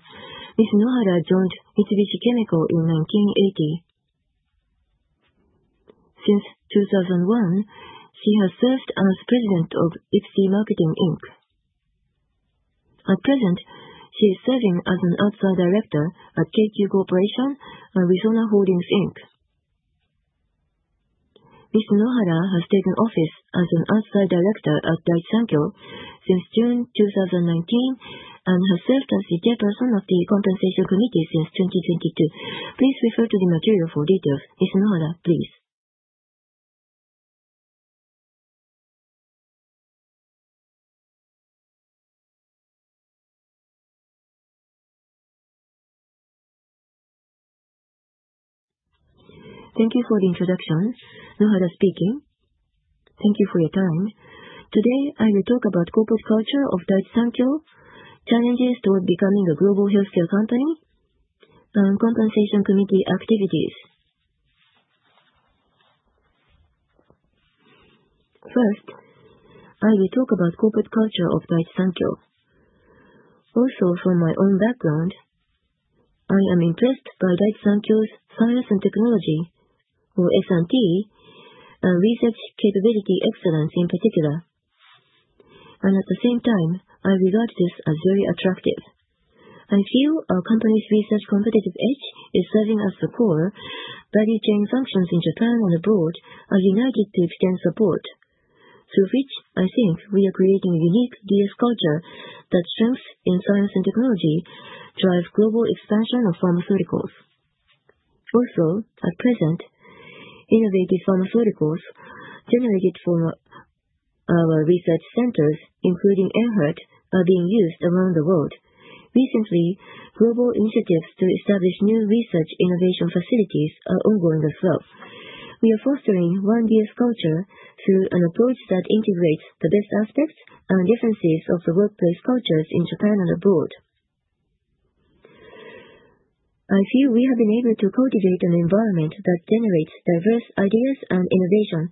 Ms. Nohara joined Mitsubishi Chemical in 1980. Since 2001, she has served as president of IPSe Marketing, Inc. At present, she is serving as an outside director at Keikyu Corporation and Resona Holdings, Inc. Ms. Nohara has taken office as an outside director at Daiichi Sankyo since June 2019 and has served as the chairperson of the Compensation Committee since 2022. Please refer to the material for details. Ms. Nohara, please. Thank you for the introduction. Nohara speaking. Thank you for your time. Today, I will talk about corporate culture of Daiichi Sankyo, challenges toward becoming a global healthcare company, and compensation committee activities. First, I will talk about corporate culture of Daiichi Sankyo. Also, from my own background, I am impressed by Daiichi Sankyo's science and technology, or S&T, and research capability excellence in particular. And at the same time, I regard this as very attractive. I feel our company's research competitive edge is serving as the core value chain functions in Japan and abroad are united to extend support, through which I think we are creating a unique DS culture that strengths in science and technology drive global expansion of pharmaceuticals. Also, at present, innovative pharmaceuticals generated from our research centers, including Enhertu, are being used around the world. Recently, global initiatives to establish new research innovation facilities are ongoing as well. We are fostering one DS culture through an approach that integrates the best aspects and differences of the workplace cultures in Japan and abroad. I feel we have been able to cultivate an environment that generates diverse ideas and innovation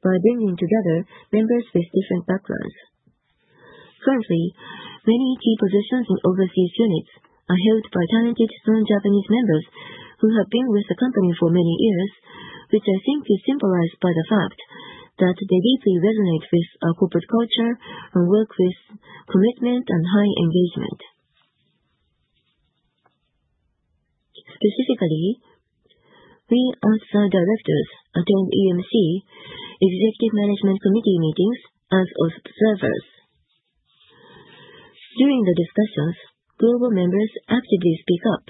by bringing together members with different backgrounds. Currently, many key positions in overseas units are held by talented non-Japanese members who have been with the company for many years, which I think is symbolized by the fact that they deeply resonate with our corporate culture and work with commitment and high engagement. Specifically, we outside directors attend EMC Executive Management Committee meetings as observers. During the discussions, global members actively speak up,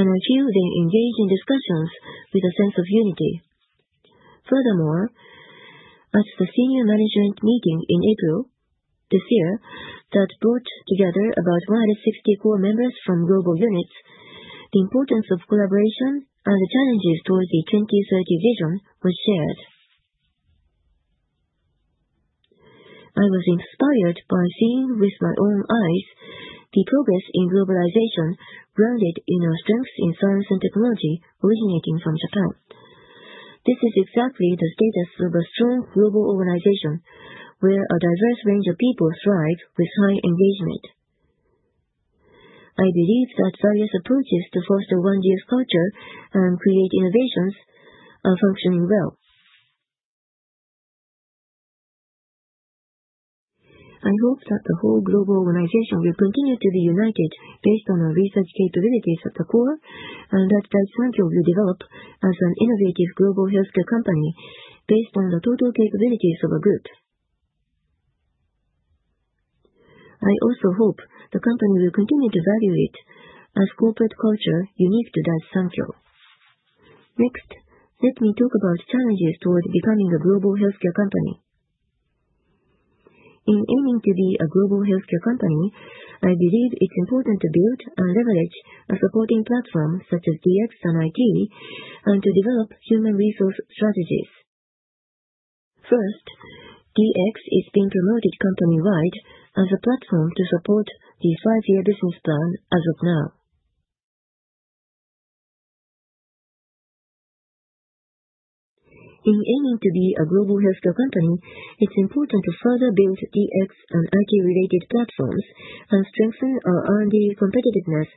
and I feel they engage in discussions with a sense of unity. Furthermore, at the senior management meeting in April this year that brought together about 164 members from global units, the importance of collaboration and the challenges towards the 2030 vision was shared. I was inspired by seeing with my own eyes the progress in globalization grounded in our strengths in science and technology originating from Japan. This is exactly the status of a strong global organization where a diverse range of people thrive with high engagement. I believe that various approaches to foster one DS culture and create innovations are functioning well. I hope that the whole global organization will continue to be united based on our research capabilities at the core and that Daiichi Sankyo will develop as an innovative global healthcare company based on the total capabilities of our group. I also hope the company will continue to value it as corporate culture unique to Daiichi Sankyo. Next, let me talk about challenges toward becoming a global healthcare company. In aiming to be a global healthcare company, I believe it's important to build and leverage a supporting platform such as DX and IT and to develop human resource strategies. First, DX is being promoted company-wide as a platform to support the five-year business plan as of now. In aiming to be a global healthcare company, it's important to further build DX and IT-related platforms and strengthen our R&D competitiveness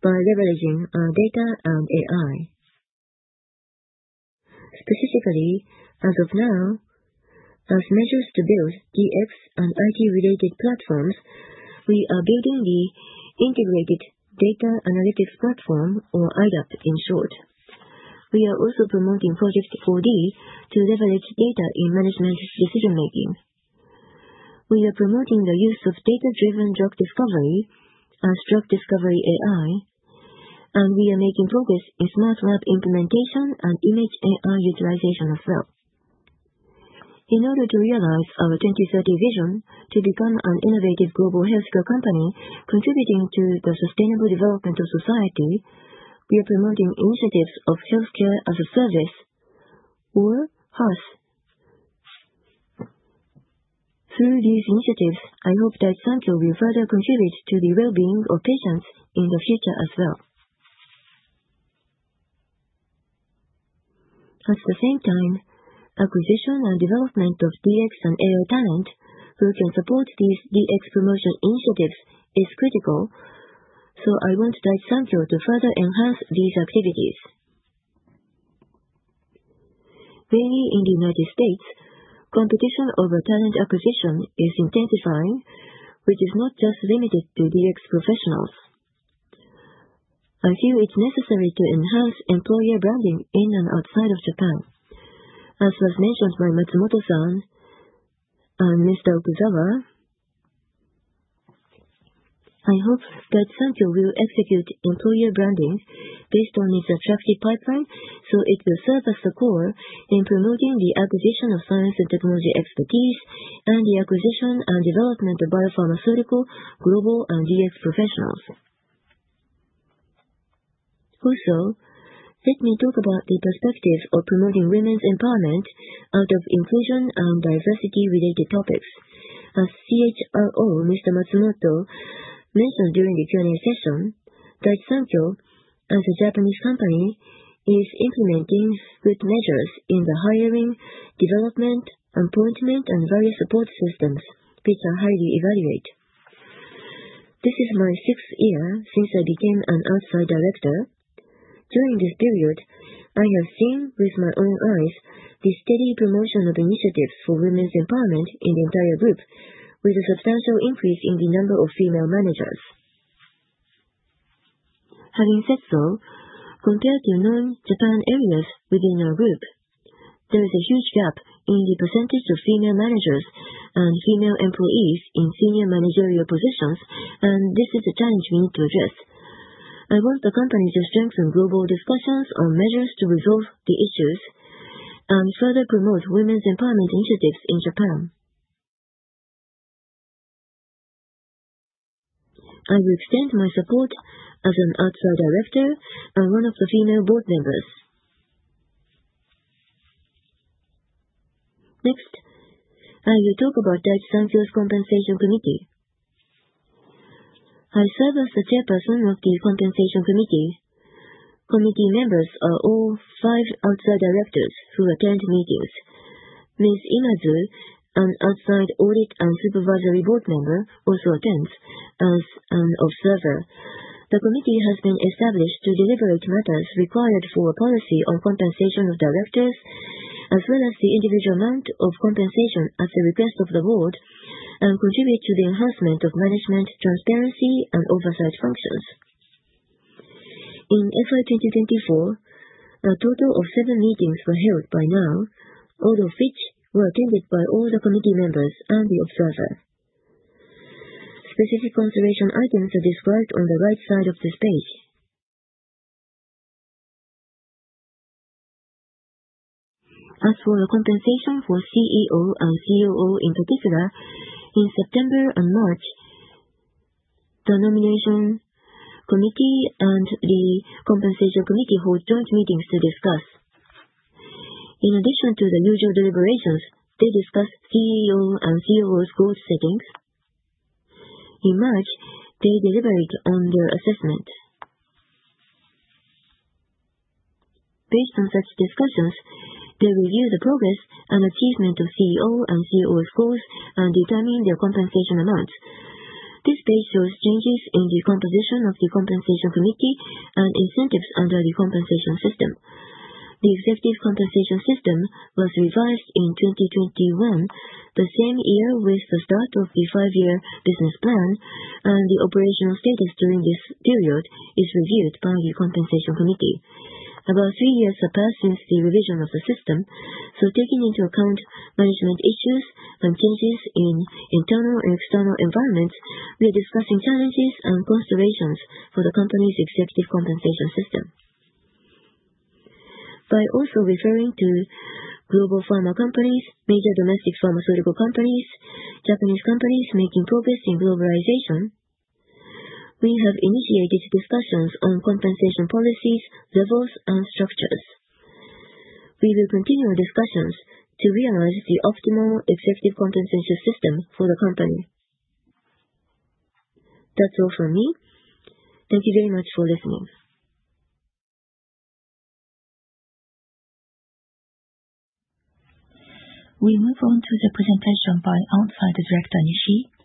by leveraging our data and AI. Specifically, as of now, as measures to build DX and IT-related platforms, we are building the Integrated Data Analytics Platform, or IDAP in short. We are also promoting Project 4D to leverage data in management decision-making. We are promoting the use of data-driven drug discovery as drug discovery AI, and we are making progress in smart lab implementation and image AI utilization as well. In order to realize our 2030 vision to become an innovative global healthcare company contributing to the sustainable development of society, we are promoting initiatives of healthcare as a service or HaaS. Through these initiatives, I hope Daiichi Sankyo will further contribute to the well-being of patients in the future as well. At the same time, acquisition and development of DX and AI talent who can support these DX promotion initiatives is critical, so I want Daiichi Sankyo to further enhance these activities. Mainly in the United States, competition over talent acquisition is intensifying, which is not just limited to DX professionals. I feel it's necessary to enhance employer branding in and outside of Japan. As was mentioned by Matsumoto-san and Mr. Okuzawa, I hope Daiichi Sankyo will execute employer branding based on its attractive pipeline so it will serve as the core in promoting the acquisition of science and technology expertise and the acquisition and development of biopharmaceutical, global, and DX professionals. Also, let me talk about the perspectives of promoting women's empowerment out of inclusion and diversity-related topics. As CHRO, Mr. Matsumoto mentioned during the Q&A session, Daiichi Sankyo as a Japanese company is implementing good measures in the hiring, development, appointment, and various support systems, which are highly evaluated. This is my sixth year since I became an outside director. During this period, I have seen with my own eyes the steady promotion of initiatives for women's empowerment in the entire group, with a substantial increase in the number of female managers. Having said so, compared to non-Japan areas within our group, there is a huge gap in the percentage of female managers and female employees in senior managerial positions, and this is a challenge we need to address. I want the company to strengthen global discussions on measures to resolve the issues and further promote women's empowerment initiatives in Japan. I will extend my support as an Outside Director and one of the female board members. Next, I will talk about Daiichi Sankyo's Compensation Committee. I serve as the chairperson of the Compensation Committee. Committee members are all five outside directors who attend meetings. Ms. Imazu, an Outside Audit and Supervisory Board Member, also attends as an observer. The committee has been established to deliberate matters required for a policy on compensation of directors, as well as the individual amount of compensation at the request of the board, and contribute to the enhancement of management, transparency, and oversight functions. In FY 2024, a total of seven meetings were held by now, all of which were attended by all the committee members and the observer. Specific consideration items are described on the right side of this page. As for the compensation for CEO and COO in particular, in September and March, the Nomination Committee and the Compensation Committee hold joint meetings to discuss. In addition to the usual deliberations, they discuss CEO and COO's goal settings. In March, they deliberate on their assessment. Based on such discussions, they review the progress and achievement of CEO and COO's goals and determine their compensation amounts. This page shows changes in the composition of the Compensation Committee and incentives under the compensation system. The executive compensation system was revised in 2021, the same year with the start of the five-year business plan, and the operational status during this period is reviewed by the Compensation Committee. About three years have passed since the revision of the system, so taking into account management issues and changes in internal and external environments, we are discussing challenges and considerations for the company's executive compensation system. By also referring to global pharma companies, major domestic pharmaceutical companies, Japanese companies making progress in globalization, we have initiated discussions on compensation policies, levels, and structures. We will continue our discussions to realize the optimal executive compensation system for the company. That's all from me. Thank you very much for listening. We move on to the presentation by Outside Director Nishi.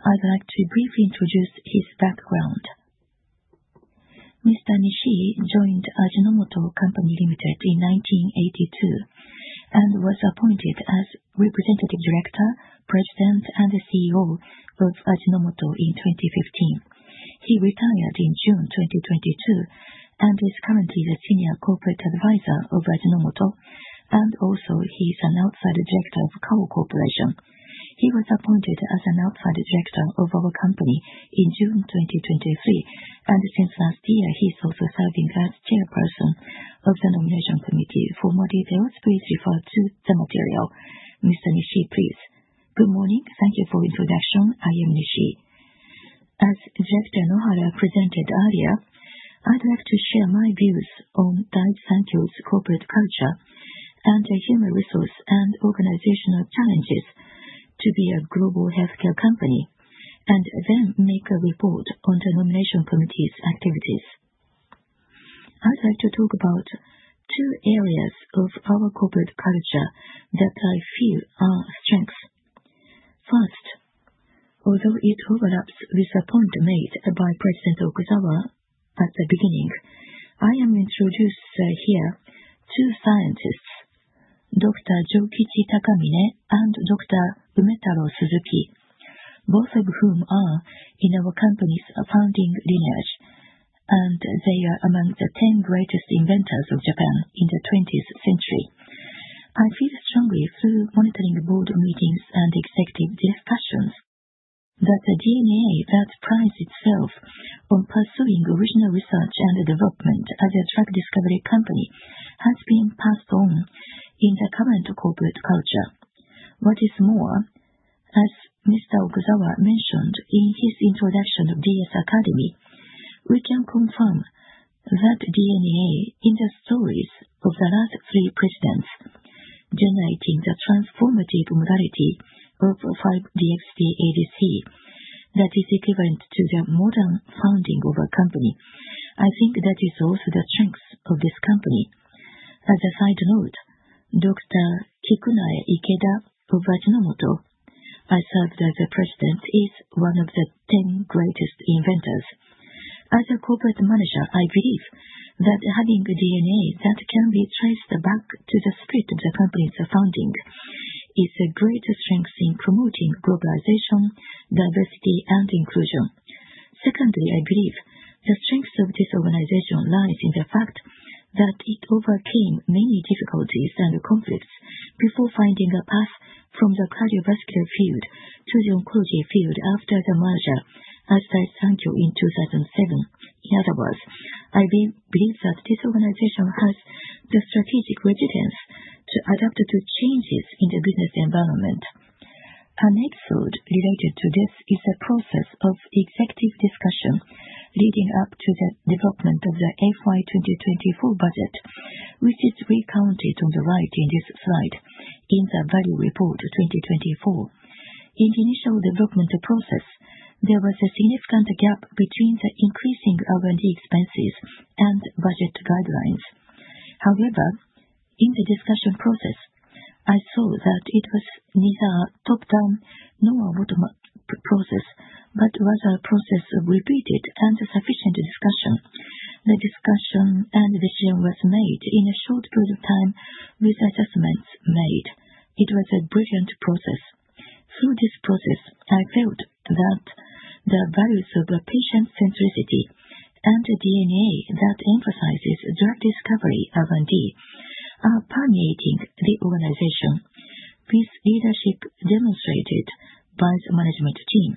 I'd like to briefly introduce his background. Mr. Nishi joined Ajinomoto Co., Inc. in 1982 and was appointed as Representative Director, President, and CEO of Ajinomoto in 2015. He retired in June 2022 and is currently the Senior Corporate Advisor of Ajinomoto, and also he's an Outside Director of Kao Corporation. He was appointed as an Outside Director of our company in June 2023, and since last year, he's also serving as Chairperson of the Nomination Committee. For more details, please refer to the material. Mr. Nishi, please. Good morning. Thank you for the introduction. I am Nishi. As Director Nohara presented earlier, I'd like to share my views on Daiichi Sankyo's corporate culture and the human resource and organizational challenges to be a global healthcare company and then make a report on the Nomination Committee's activities. I'd like to talk about two areas of our corporate culture that I feel are strengths. First, although it overlaps with a point made by President Okuzawa at the beginning, I am introducing here two scientists, Dr. Jokichi Takamine and Dr. Umetaro Suzuki, both of whom are in our company's founding lineage, and they are among the 10 greatest inventors of Japan in the 20th century. I feel strongly through monitoring board meetings and executive discussions that the DNA that prides itself on pursuing original research and development as a drug discovery company has been passed on in the current corporate culture. What is more, as Mr. Okuzawa mentioned in his introduction of DS Academy, we can confirm that DNA in the stories of the last three presidents generating the transformative modality of 5 DXd ADCs that is equivalent to the modern founding of a company. I think that is also the strength of this company. As a side note, Dr. Kikunae Ikeda of Ajinomoto, I served as a president, is one of the 10 greatest inventors. As a corporate manager, I believe that having DNA that can be traced back to the spirit of the company's founding is a great strength in promoting globalization, diversity, and inclusion. Secondly, I believe the strength of this organization lies in the fact that it overcame many difficulties and conflicts before finding a path from the cardiovascular field to the oncology field after the merger as Daiichi Sankyo in 2007. In other words, I believe that this organization has the strategic resilience to adapt to changes in the business environment. An episode related to this is the process of executive discussion leading up to the development of the FY 2024 budget, which is recounted on the right in this slide in the Value Report 2024. In the initial development process, there was a significant gap between the increasing R&D expenses and budget guidelines. However, in the discussion process, I saw that it was neither a top-down nor a bottom-up process, but rather a process of repeated and sufficient discussion. The discussion and decision was made in a short period of time with assessments made. It was a brilliant process. Through this process, I felt that the values of patient-centricity and DNA that emphasizes drug discovery R&D are permeating the organization, with leadership demonstrated by the management team.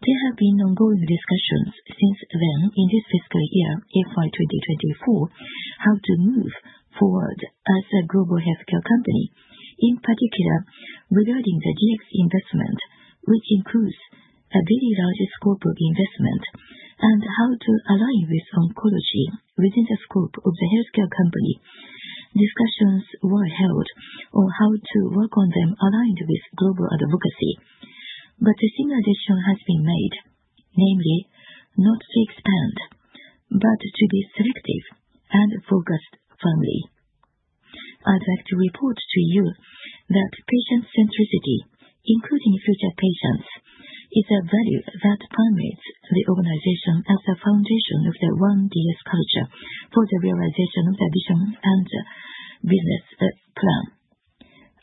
There have been ongoing discussions since then in this fiscal year, FY 2024, how to move forward as a global healthcare company, in particular regarding the DX investment, which includes a very large scope of investment, and how to align with oncology within the scope of the healthcare company. Discussions were held on how to work on them aligned with global advocacy, but the simulation has been made, namely not to expand, but to be selective and focused firmly. I'd like to report to you that patient-centricity, including future patients, is a value that permeates the organization as the foundation of the one DS culture for the realization of the vision and business plan.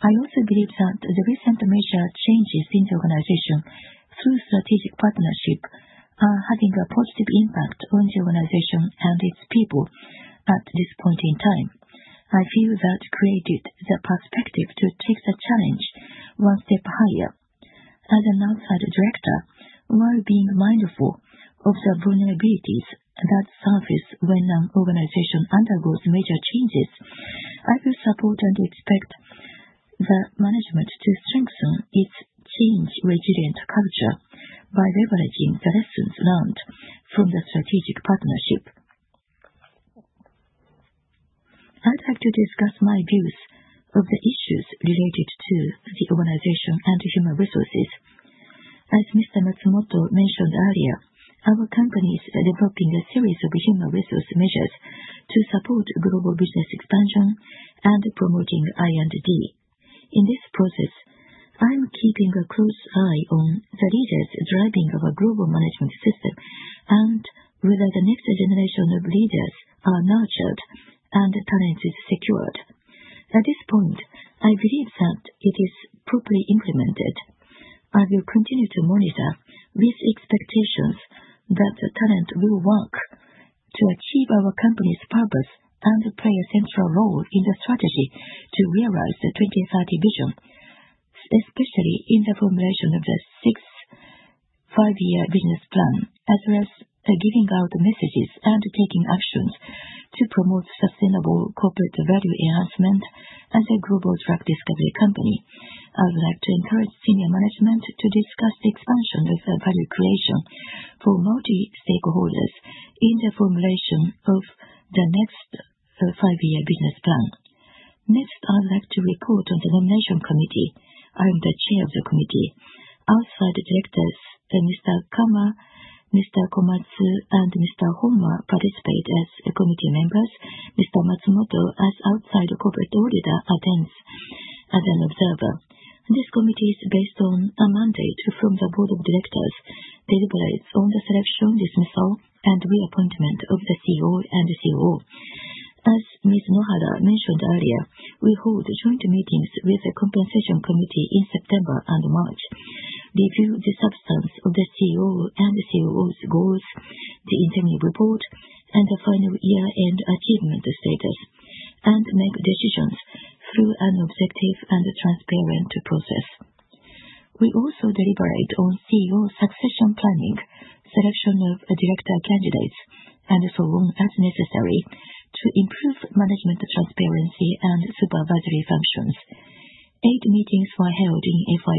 I also believe that the recent measure changes in the organization through strategic partnership are having a positive impact on the organization and its people at this point in time. I feel that created the perspective to take the challenge one step higher. As an outside director, while being mindful of the vulnerabilities that surface when an organization undergoes major changes, I will support and expect the management to strengthen its change-resilient culture by leveraging the lessons learned from the strategic partnership. I'd like to discuss my views of the issues related to the organization and human resources. As Mr. Matsumoto mentioned earlier, our company is developing a series of human resource measures to support global business expansion and promoting I&D. In this process, I'm keeping a close eye on the leaders driving our global management system and whether the next generation of leaders are nurtured and talent is secured. At this point, I believe that it is properly implemented. I will continue to monitor with expectations that the talent will work to achieve our company's purpose and play a central role in the strategy to realize the 2030 vision, especially in the formulation of the sixth five-year business plan, as well as giving out messages and taking actions to promote sustainable corporate value enhancement as a global drug discovery company. I would like to encourage senior management to discuss the expansion of value creation for multi-stakeholders in the formulation of the next five-year business plan. Next, I'd like to report on the nomination committee. I am the chair of the committee. Outside directors, Mr. Kama, Mr. Komatsu, and Mr. Honma participate as committee members. Mr. Matsumoto, as outside corporate auditor, attends as an observer. This committee is based on a mandate from the board of directors. They deliberate on the selection, dismissal, and reappointment of the CEO and COO. As Ms. Nohara mentioned earlier, we hold joint meetings with the Compensation Committee in September and March. They view the substance of the CEO and COO's goals, the interim report, and the final year-end achievement status, and make decisions through an objective and transparent process. We also deliberate on CEO succession planning, selection of director candidates, and so on as necessary to improve management transparency and supervisory functions. Eight meetings were held in FY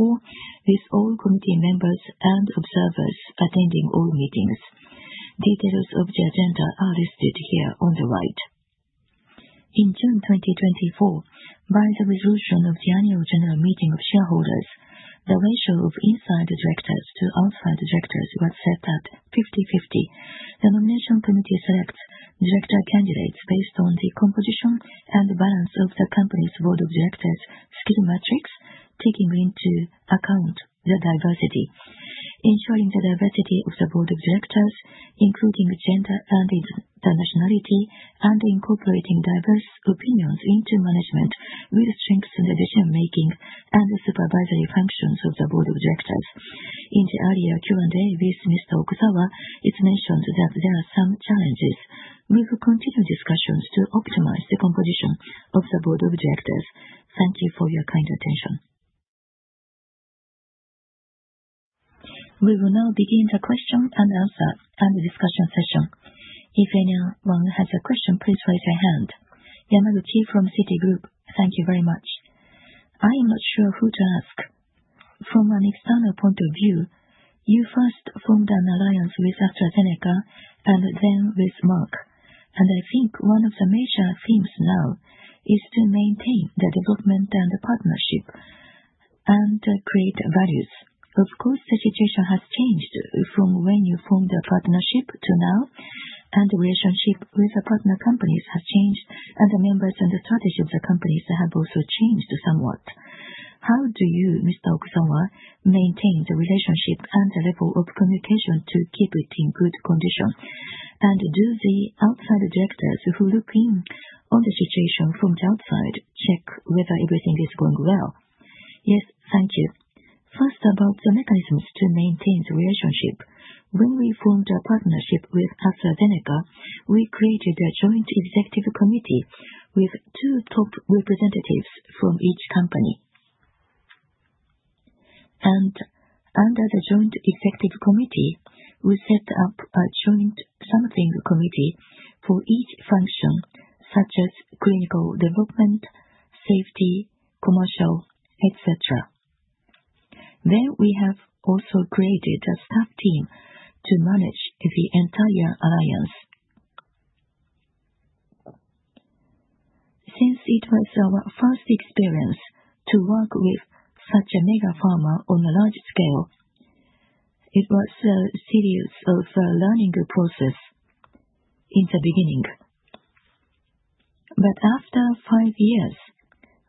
2024 with all committee members and observers attending all meetings. Details of the agenda are listed here on the right. In June 2024, by the resolution of the Annual General Meeting of Shareholders, the ratio of inside directors to outside directors was set at 50-50. The Nomination Committee selects director candidates based on the composition and balance of the company's Board of Directors skill matrix, taking into account the diversity. Ensuring the diversity of the board of directors, including gender and internationality, and incorporating diverse opinions into management will strengthen the decision-making and supervisory functions of the board of directors. In the earlier Q&A with Mr. Okuzawa, it's mentioned that there are some challenges. We will continue discussions to optimize the composition of the board of directors. Thank you for your kind attention. We will now begin the question and answer and discussion session. If anyone has a question, please raise your hand. Yamaguchi from Citigroup, thank you very much. I am not sure who to ask. From an external point of view, you first formed an alliance with AstraZeneca and then with Merck, and I think one of the major themes now is to maintain the development and partnership and create values. Of course, the situation has changed from when you formed the partnership to now, and the relationship with the partner companies has changed, and the members and the strategy of the companies have also changed somewhat. How do you, Mr. Okuzawa, maintain the relationship and the level of communication to keep it in good condition? And do the outside directors who look in on the situation from the outside check whether everything is going well? Yes, thank you. First, about the mechanisms to maintain the relationship. When we formed a partnership with AstraZeneca, we created a joint executive committee with two top representatives from each company. And under the joint executive committee, we set up a joint steering committee for each function, such as clinical development, safety, commercial, etc. Then we have also created a staff team to manage the entire alliance. Since it was our first experience to work with such a mega pharma on a large scale, it was a serious learning process in the beginning. But after five years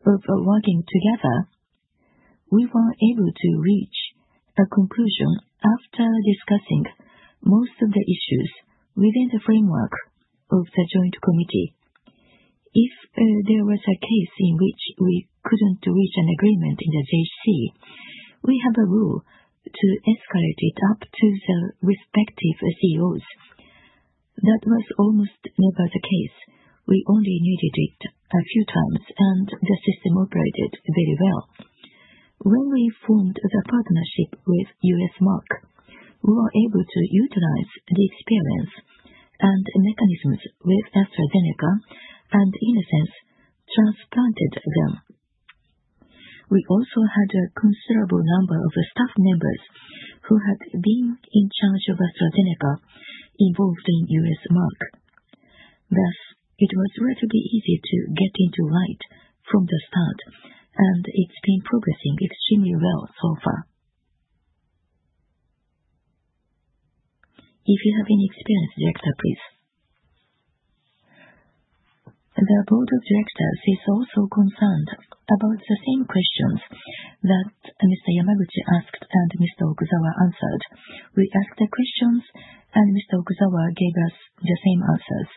of working together, we were able to reach a conclusion after discussing most of the issues within the framework of the joint committee. If there was a case in which we couldn't reach an agreement in the JC, we have a rule to escalate it up to the respective CEOs. That was almost never the case. We only needed it a few times, and the system operated very well. When we formed the partnership with US Merck, we were able to utilize the experience and mechanisms with AstraZeneca and, in a sense, transplanted them. We also had a considerable number of staff members who had been in charge of AstraZeneca involved in US Merck. Thus, it was relatively easy to get into light from the start, and it's been progressing extremely well so far. If you have any experience, director, please. The board of directors is also concerned about the same questions that Mr. Yamaguchi asked and Mr. Okuzawa answered. We asked the questions, and Mr. Okuzawa gave us the same answers.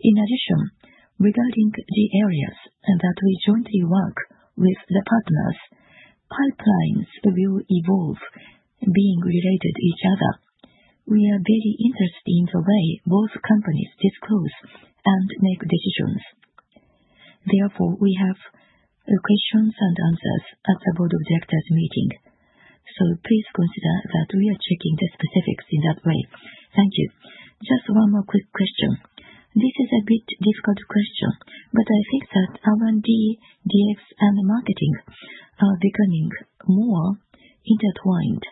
In addition, regarding the areas that we jointly work with the partners, pipelines will evolve being related to each other. We are very interested in the way both companies disclose and make decisions. Therefore, we have questions and answers at the board of directors meeting. So please consider that we are checking the specifics in that way. Thank you. Just one more quick question. This is a bit difficult question, but I think that R&D, DX, and marketing are becoming more intertwined,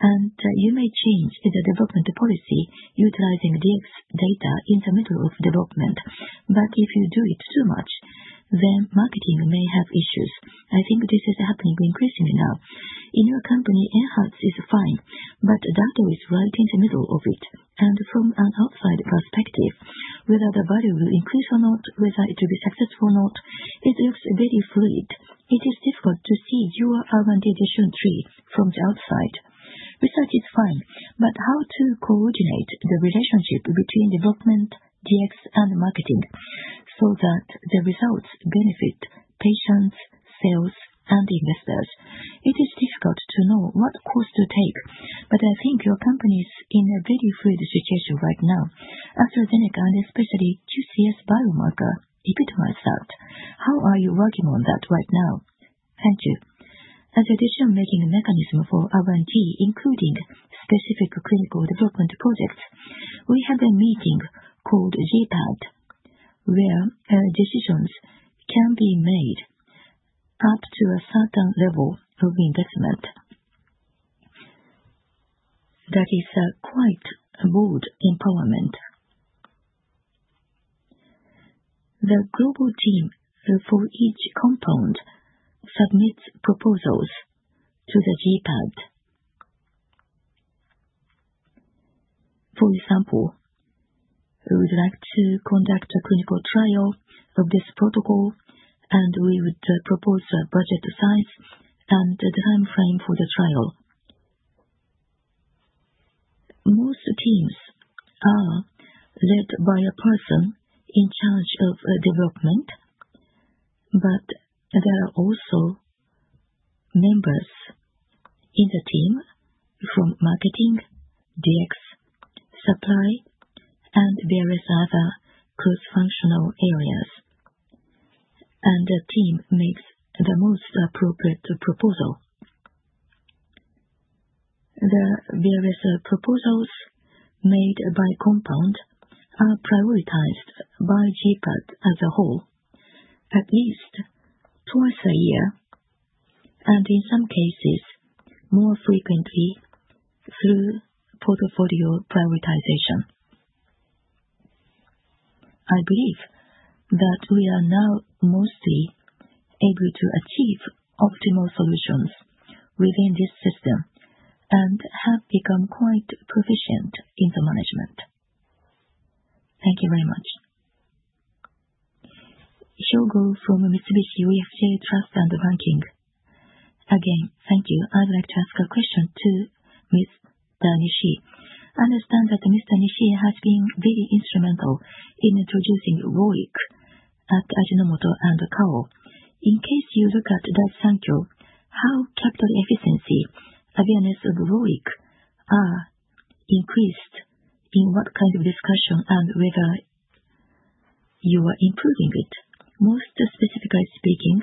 and you may change the development policy utilizing DX data in the middle of development. But if you do it too much, then marketing may have issues. I think this is happening increasingly now. In your company, Enhertu is fine, but Dato is right in the middle of it. And from an outside perspective, whether the value will increase or not, whether it will be successful or not, it looks very fluid. It is difficult to see your R&D decision tree from the outside. We said it's fine, but how to coordinate the relationship between development, DX, and marketing so that the results benefit patients, sales, and investors? It is difficult to know what course to take, but I think your company is in a very fluid situation right now. eAstraZeneca, and especially QCS Biomarker, epitomize that. How are you working on that right now? Thank you. As a decision-making mechanism for R&D, including specific clinical development projects, we have a meeting called GPAD, where decisions can be made up to a certain level of investment. That is quite broad empowerment. The global team for each compound submits proposals to the GPAD. For example, we would like to conduct a clinical trial of this protocol, and we would propose a budget size and the time frame for the trial. Most teams are led by a person in charge of development, but there are also members in the team from marketing, DX, supply, and various other cross-functional areas, and the team makes the most appropriate proposal. The various proposals made by compound are prioritized by GPAD as a whole, at least twice a year, and in some cases, more frequently through portfolio prioritization. I believe that we are now mostly able to achieve optimal solutions within this system and have become quite proficient in the management. Thank you very much. Hyo Go from Mitsubishi UFJ Trust and Banking. Again, thank you. I would like to ask a question to Mr. Nishi. I understand that Mr. Nishi has been very instrumental in introducing ROIC at Ajinomoto and Kao. In case you look at that Sankyo, how capital efficiency, awareness of ROIC are increased in what kind of discussion and whether you are improving it? Most specifically speaking,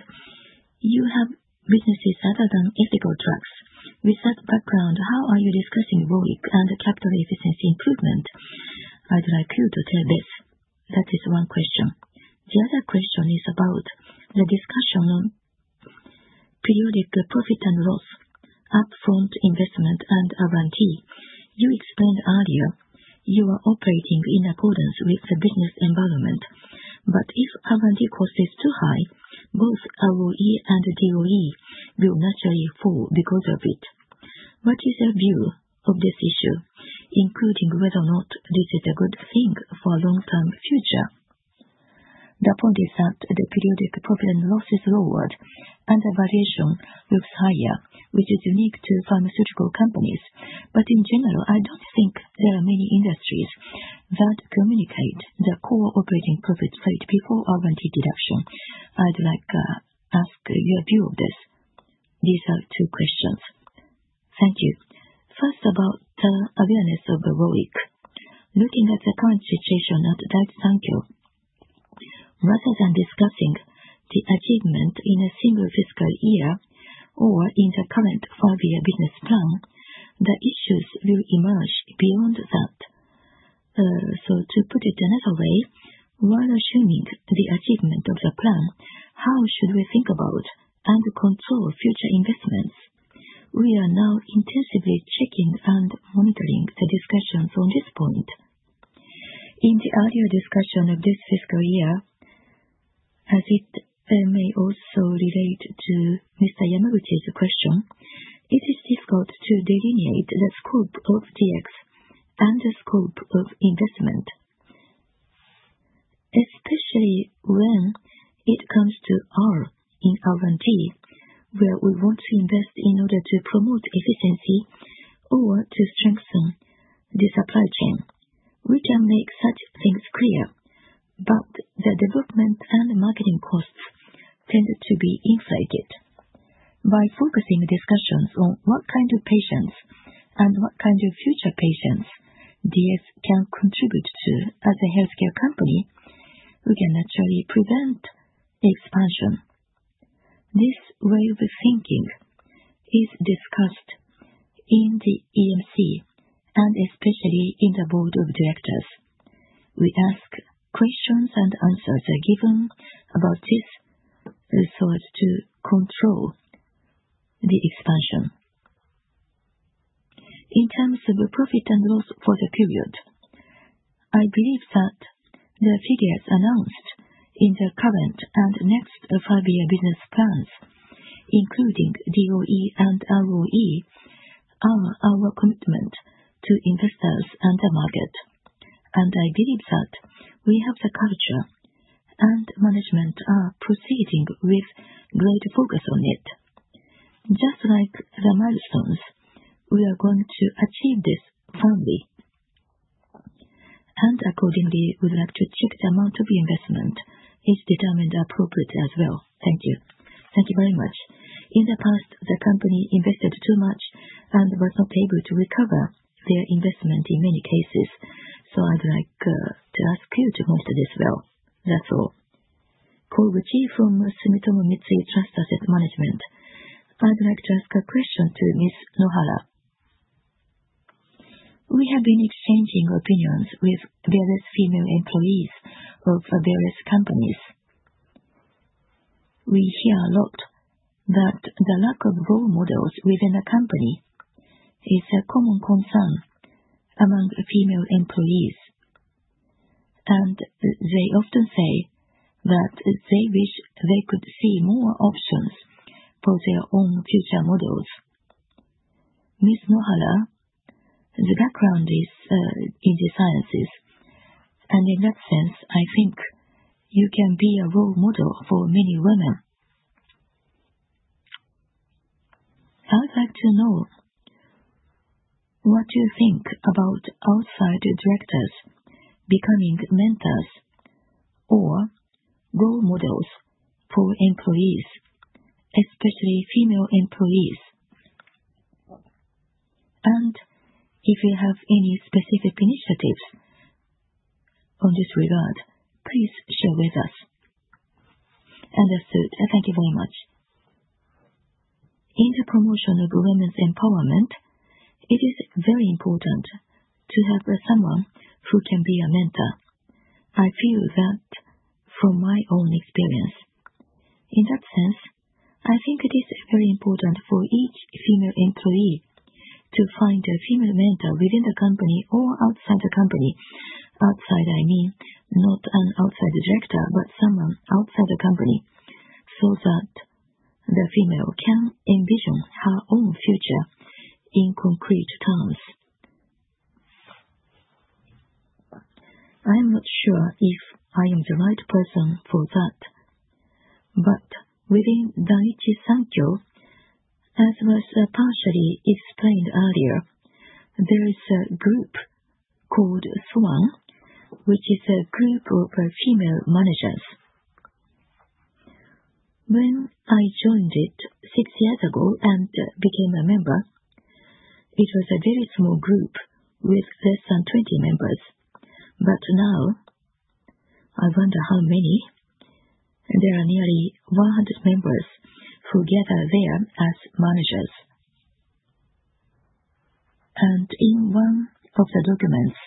you have businesses other than ethical drugs. With that background, how are you discussing ROIC and capital efficiency improvement? I'd like you to tell this. That is one question. The other question is about the discussion on periodic profit and loss, upfront investment, and R&D. You explained earlier you are operating in accordance with the business environment, but if R&D cost is too high, both ROE and DOE will naturally fall because of it. What is your view of this issue, including whether or not this is a good thing for a long-term future? The point is that the periodic profit and loss is lowered and the variation looks higher, which is unique to pharmaceutical companies. But in general, I don't think there are many industries that communicate the core operating profit rate before R&D deduction. I'd like to ask your view of this. These are two questions. Thank you. First, about the awareness of ROIC. Looking at the current situation at Daiichi Sankyo, rather than discussing the achievement in a single fiscal year or in the current five-year business plan, the issues will emerge beyond that, so to put it another way, while assuming the achievement of the plan, how should we think about and control future investments? We are now intensively checking and monitoring the discussions on this point. In the earlier discussion of this fiscal year, as it may also relate to Mr. Yamaguchi's question, it is difficult to delineate the scope of DX and the scope of investment, especially when it comes to R&D, where we want to invest in order to promote efficiency or to strengthen the supply chain. We can make such things clear, but the development and marketing costs tend to be inflated. By focusing discussions on what kind of patients and what kind of future patients DX can contribute to as a healthcare company, we can naturally prevent expansion. This way of thinking is discussed in the EMC and especially in the board of directors. We ask questions and answers are given about this so as to control the expansion. In terms of profit and loss for the period, I believe that the figures announced in the current and next five-year business plans, including DOE and ROE, are our commitment to investors and the market, and I believe that we have the culture, and management are proceeding with great focus on it. Just like the milestones, we are going to achieve this firmly, and accordingly, we'd like to check the amount of investment is determined appropriately as well. Thank you. Thank you very much. In the past, the company invested too much and was not able to recover their investment in many cases. So I'd like to ask you to monitor this well. That's all. Koguchi from Sumitomo Mitsui Trust Asset Management. I'd like to ask a question to Ms. Nohara. We have been exchanging opinions with various female employees of various companies. We hear a lot that the lack of role models within a company is a common concern among female employees, and they often say that they wish they could see more options for their own future models. Ms. Nohara, the background is in the sciences, and in that sense, I think you can be a role model for many women. I'd like to know what you think about outside directors becoming mentors or role models for employees, especially female employees. And if you have any specific initiatives on this regard, please share with us. Understood. Thank you very much. In the promotion of women's empowerment, it is very important to have someone who can be a mentor. I feel that from my own experience. In that sense, I think it is very important for each female employee to find a female mentor within the company or outside the company. Outside, I mean, not an outside director, but someone outside the company so that the female can envision her own future in concrete terms. I'm not sure if I am the right person for that, but within Daiichi Sankyo, as was partially explained earlier, there is a group called SWAN, which is a group of female managers. When I joined it six years ago and became a member, it was a very small group with less than 20 members, but now I wonder how many. There are nearly 100 members who gather there as managers. And in one of the documents,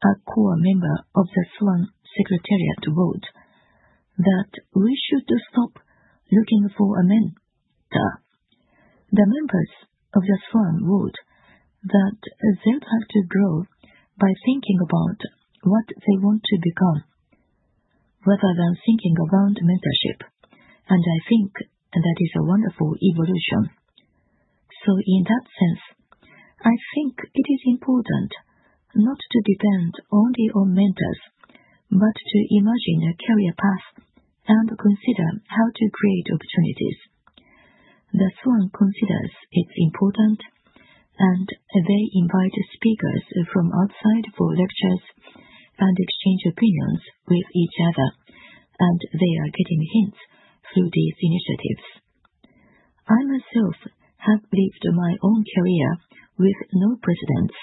a core member of the SWAN Secretariat wrote that we should stop looking for a mentor. The members of the SWAN wrote that they'll have to grow by thinking about what they want to become rather than thinking around mentorship. And I think that is a wonderful evolution. So in that sense, I think it is important not to depend only on mentors, but to imagine a career path and consider how to create opportunities. The SWAN considers it's important, and they invite speakers from outside for lectures and exchange opinions with each other, and they are getting hints through these initiatives. I myself have lived my own career with no precedents,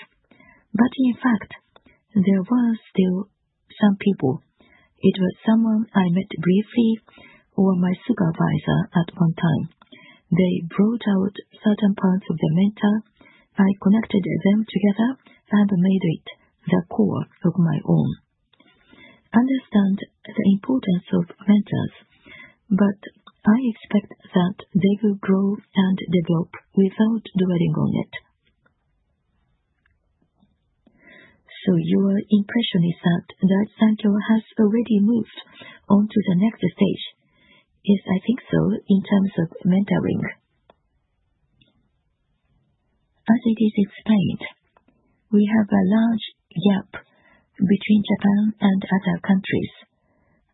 but in fact, there were still some people. It was someone I met briefly or my supervisor at one time. They brought out certain parts of the mentor. I connected them together and made it the core of my own. Understand the importance of mentors, but I expect that they will grow and develop without dwelling on it. So your impression is that Daiichi Sankyo has already moved on to the next stage? Yes, I think so, in terms of mentoring. As it is explained, we have a large gap between Japan and other countries,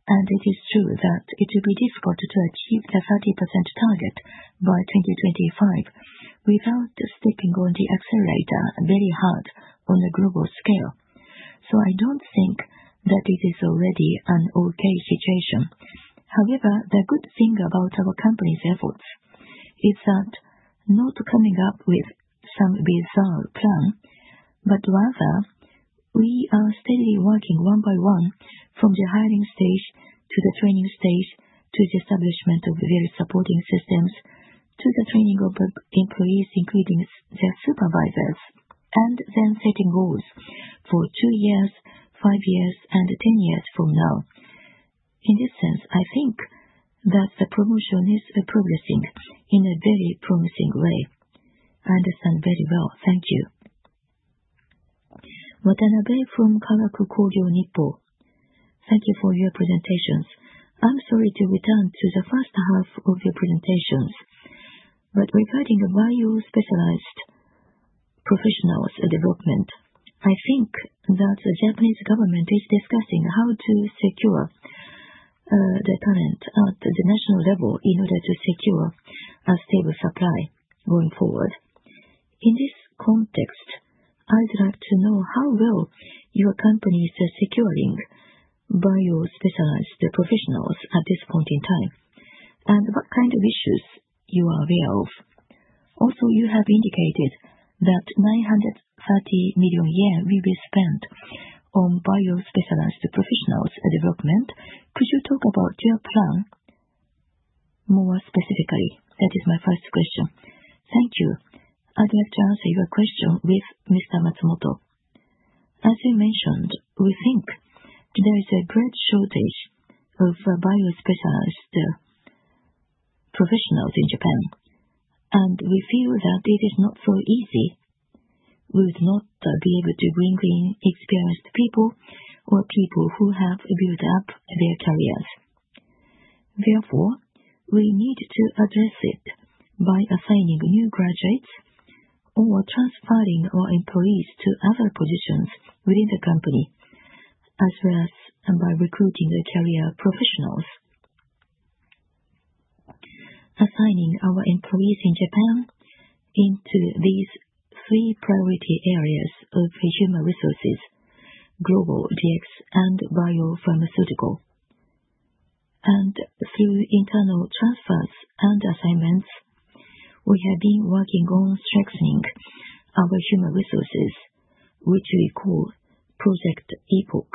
and it is true that it will be difficult to achieve the 30% target by 2025 without stepping on the accelerator very hard on a global scale. So I don't think that it is already an okay situation. However, the good thing about our company's efforts is that not coming up with some bizarre plan, but rather we are steadily working one by one from the hiring stage to the training stage to the establishment of various supporting systems to the training of employees, including their supervisors, and then setting goals for two years, five years, and ten years from now. In this sense, I think that the promotion is progressing in a very promising way. I understand very well. Thank you. Watanabe from Kagaku Kogyo Nippo. Thank you for your presentations. I'm sorry to return to the first half of your presentations, but regarding bio-specialized professionals development, I think that the Japanese government is discussing how to secure the talent at the national level in order to secure a stable supply going forward. In this context, I'd like to know how well your company is securing bio-specialized professionals at this point in time and what kind of issues you are aware of. Also, you have indicated that 930 million yen will be spent on bio-specialized professionals development. Could you talk about your plan more specifically? That is my first question. Thank you. I'd like to answer your question with Mr. Matsumoto. As you mentioned, we think there is a great shortage of bio-specialized professionals in Japan, and we feel that it is not so easy. We would not be able to bring in experienced people or people who have built up their careers. Therefore, we need to address it by assigning new graduates or transferring our employees to other positions within the company, as well as by recruiting career professionals. Assigning our employees in Japan into these three priority areas of human resources, global DX, and biopharmaceutical. And through internal transfers and assignments, we have been working on strengthening our human resources, which we call Project EPOC,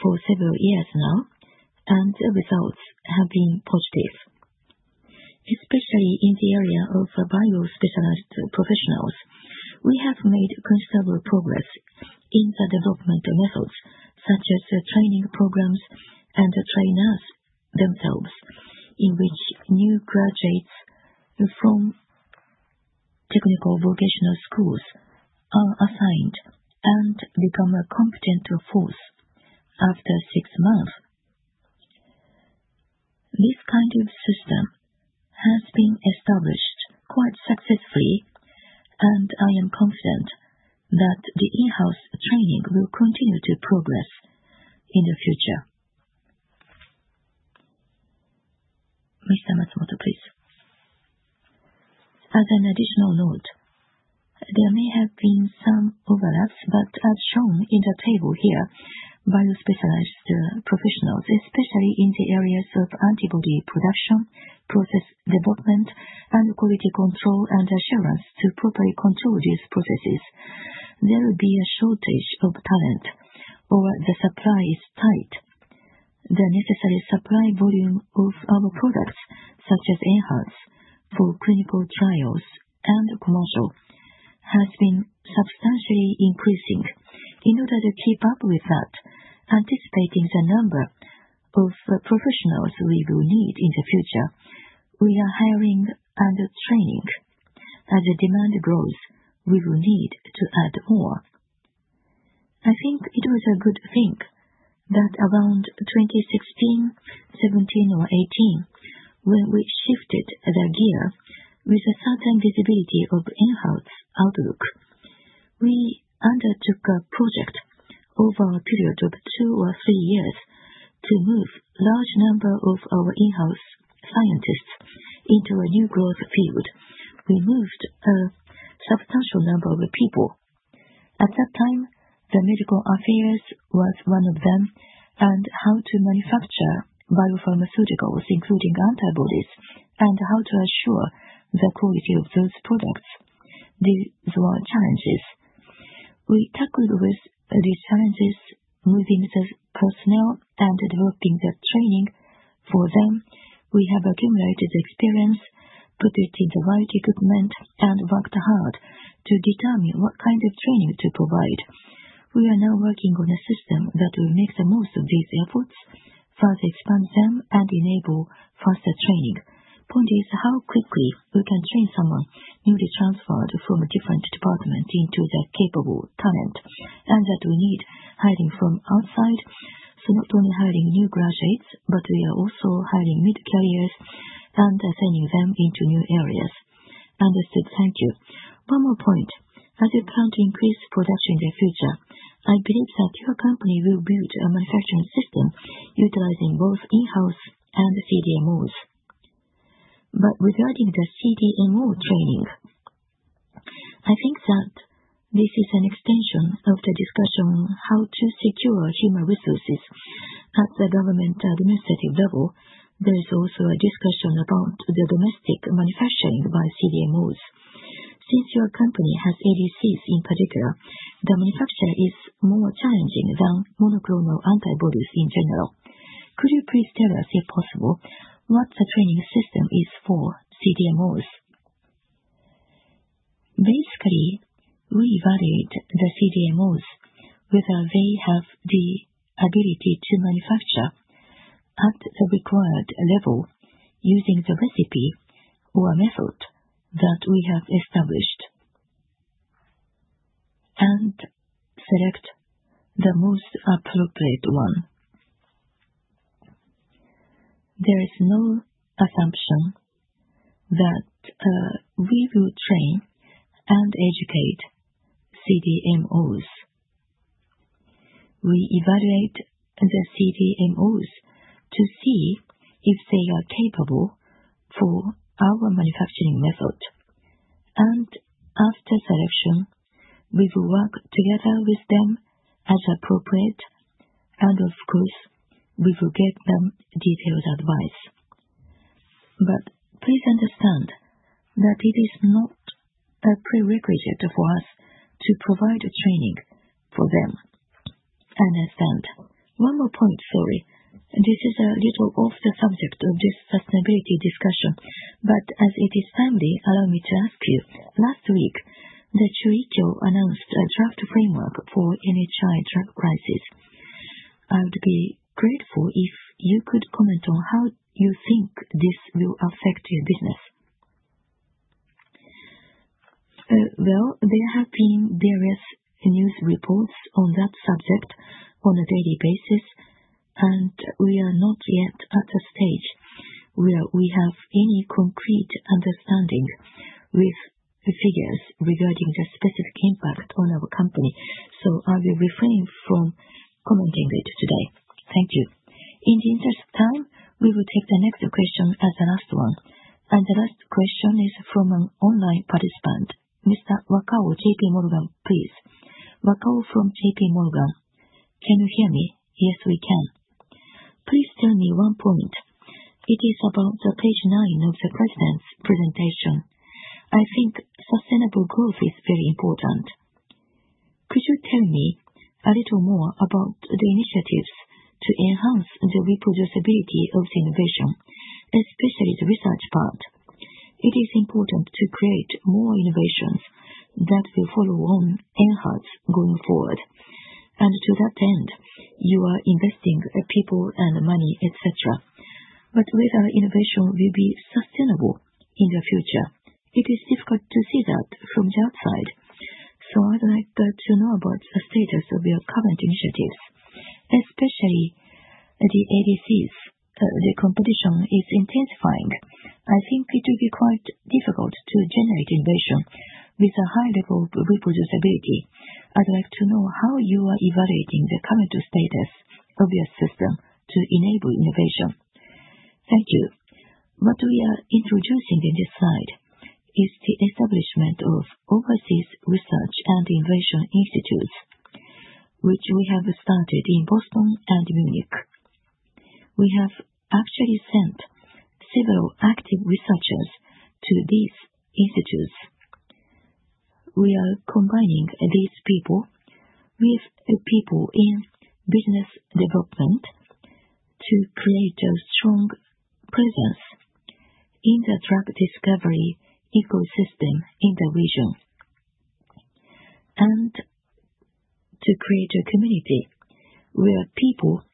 for several years now, and the results have been positive. Especially in the area of bio-specialized professionals, we have made considerable progress in the development methods, such as training programs and trainers themselves, in which new graduates from technical vocational schools are assigned and become a competent force after six months. This kind of system has been established quite successfully, and I am confident that the in-house training will continue to progress in the future. Mr. Matsumoto, please. As an additional note, there may have been some overlaps, but as shown in the table here, bio-specialized professionals, especially in the areas of antibody production, process development, and quality control and assurance to properly control these processes, there will be a shortage of talent, or the supply is tight. The necessary supply volume of our products, such as in-house for clinical trials and commercial, has been substantially increasing. In order to keep up with that, anticipating the number of professionals we will need in the future, we are hiring and training. As the demand grows, we will need to add more. I think it was a good thing that around 2016, 2017, or 2018, when we shifted the gear with a certain visibility of in-house outlook, we undertook a project over a period of two or three years to move a large number of our in-house scientists into a new growth field. We moved a substantial number of people. At that time, the Medical Affairs was one of them, and how to manufacture biopharmaceuticals, including antibodies, and how to assure the quality of those products, these were challenges. We tackled these challenges within the personnel and developing the training for them. We have accumulated experience, put it in the right equipment, and worked hard to determine what kind of training to provide. We are now working on a system that will make the most of these efforts, further expand them, and enable faster training. point is how quickly we can train someone newly transferred from a different department into the capable talent, and that we need hiring from outside. So not only hiring new graduates, but we are also hiring mid-careers and assigning them into new areas. Understood. Thank you. One more point. As you plan to increase production in the future, I believe that your company will build a manufacturing system utilizing both in-house and CDMOs. But regarding the CDMO training, I think that this is an extension of the discussion on how to secure human resources. At the government administrative level, there is also a discussion about the domestic manufacturing by CDMOs. Since your company has ADCs in particular, the manufacture is more challenging than monoclonal antibodies in general. Could you please tell us, if possible, what the training system is for CDMOs? Basically, we evaluate the CDMOs whether they have the ability to manufacture at the required level using the recipe or method that we have established and select the most appropriate one. There is no assumption that we will train and educate CDMOs. We evaluate the CDMOs to see if they are capable for our manufacturing method. And after selection, we will work together with them as appropriate, and of course, we will get them detailed advice. But please understand that it is not a prerequisite for us to provide training for them. Understand. One more point, sorry. This is a little off the subject of this sustainability discussion, but as it is timely, allow me to ask you. Last week, the Chuikyo announced a draft framework for NHI drug prices. I would be grateful if you could comment on how you think this will affect your business. There have been various news reports on that subject on a daily basis, and we are not yet at a stage where we have any concrete understanding with figures regarding the specific impact on our company. So I will refrain from commenting it today. Thank you. In the interest of time, we will take the next question as the last one. And the last question is from an online participant. Mr. Wakao, J.P. Morgan, please. Wakao from J.P. Morgan. Can you hear me? Yes, we can. Please tell me one point. It is about page nine of the president's presentation. I think sustainable growth is very important. Could you tell me a little more about the initiatives to enhance the reproducibility of the innovation, especially the research part? It is important to create more innovations that will follow on in-house going forward. To that end, you are investing people and money, etc. But whether innovation will be sustainable in the future, it is difficult to see that from the outside. So I'd like to know about the status of your current initiatives, especially the ADCs. The competition is intensifying. I think it will be quite difficult to generate innovation with a high level of reproducibility. I'd like to know how you are evaluating the current status of your system to enable innovation. Thank you. What we are introducing in this slide is the establishment of overseas research and innovation institutes, which we have started in Boston and Munich. We have actually sent several active researchers to these institutes. We are combining these people with people in business development to create a strong presence in the drug discovery ecosystem in the region and to create a community where people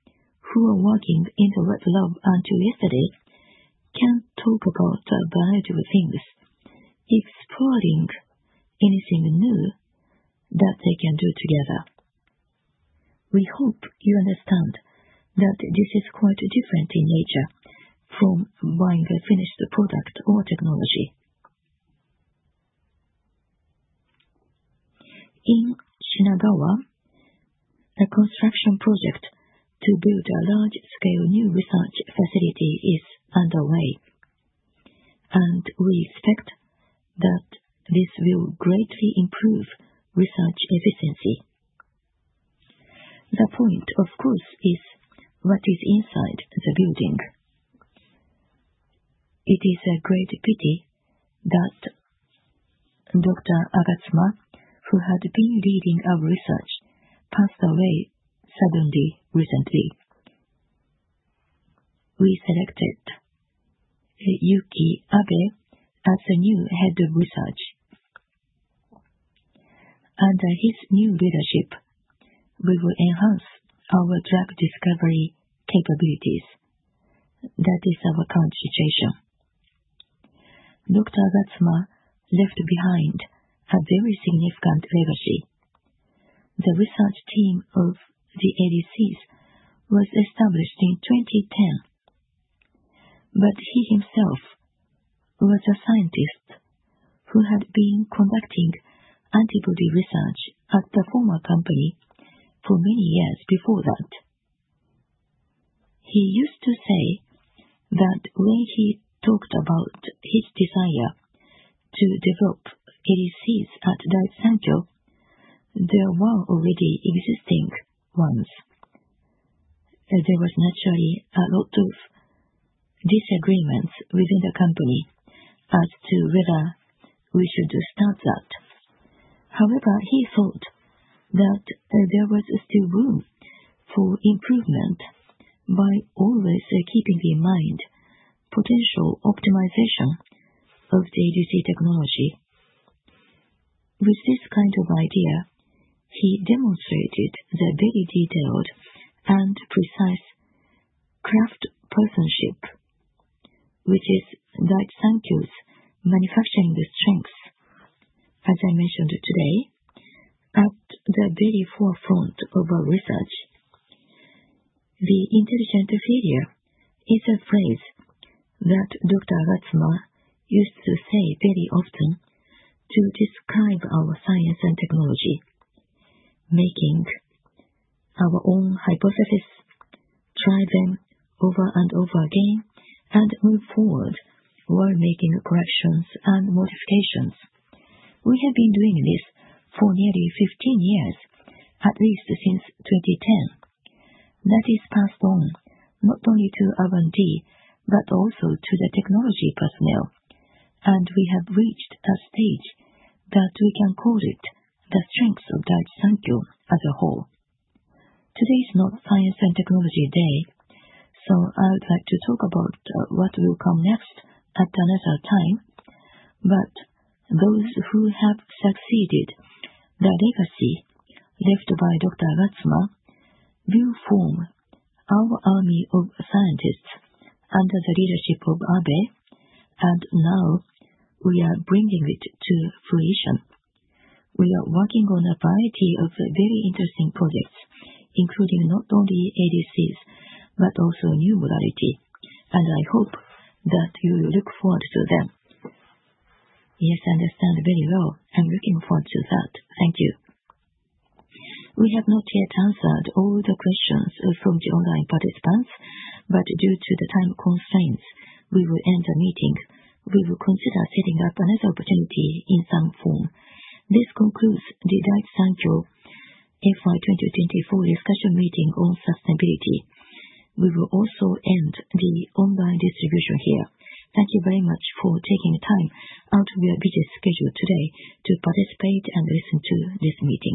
who are working in the lab until yesterday can talk about valuable things, exploring anything new that they can do together. We hope you understand that this is quite different in nature from buying a finished product or technology. In Shinagawa, a construction project to build a large-scale new research facility is underway, and we expect that this will greatly improve research efficiency. The point, of course, is what is inside the building. It is a great pity that Dr. Agatsuma, who had been leading our research, passed away suddenly recently. We selected Yuki Abe as the new head of research. Under his new leadership, we will enhance our drug discovery capabilities. That is our current situation. Dr. Agatsuma left behind a very significant legacy. The research team of the ADCs was established in 2010, but he himself was a scientist who had been conducting antibody research at the former company for many years before that. He used to say that when he talked about his desire to develop ADCs at Daiichi Sankyo, there were already existing ones. There was naturally a lot of disagreements within the company as to whether we should start that. However, he thought that there was still room for improvement by always keeping in mind potential optimization of the ADC technology. With this kind of idea, he demonstrated the very detailed and precise craftsmanship, which is Daiichi Sankyo's manufacturing strength. As I mentioned today, at the very forefront of our research, the intelligent failure is a phrase that Dr. Agatsuma used to say very often to describe our science and technology. Making our own hypotheses, try them over and over again, and move forward while making corrections and modifications. We have been doing this for nearly 15 years, at least since 2010. That is passed on not only to R&D but also to the technology personnel, and we have reached a stage that we can call it the strengths of Daiichi Sankyo as a whole. Today is not Science and Technology Day, so I would like to talk about what will come next at another time. Those who have succeeded the legacy left by Dr. Agatsuma will form our army of scientists under the leadership of Abe, and now we are bringing it to fruition. We are working on a variety of very interesting projects, including not only ADCs but also new modalities, and I hope that you will look forward to them. Yes, I understand very well. I'm looking forward to that. Thank you. We have not yet answered all the questions from the online participants, but due to the time constraints, we will end the meeting. We will consider setting up another opportunity in some form. This concludes the Daiichi Sankyo FY 2024 discussion meeting on sustainability. We will also end the online distribution here. Thank you very much for taking time out of your busy schedule today to participate and listen to this meeting.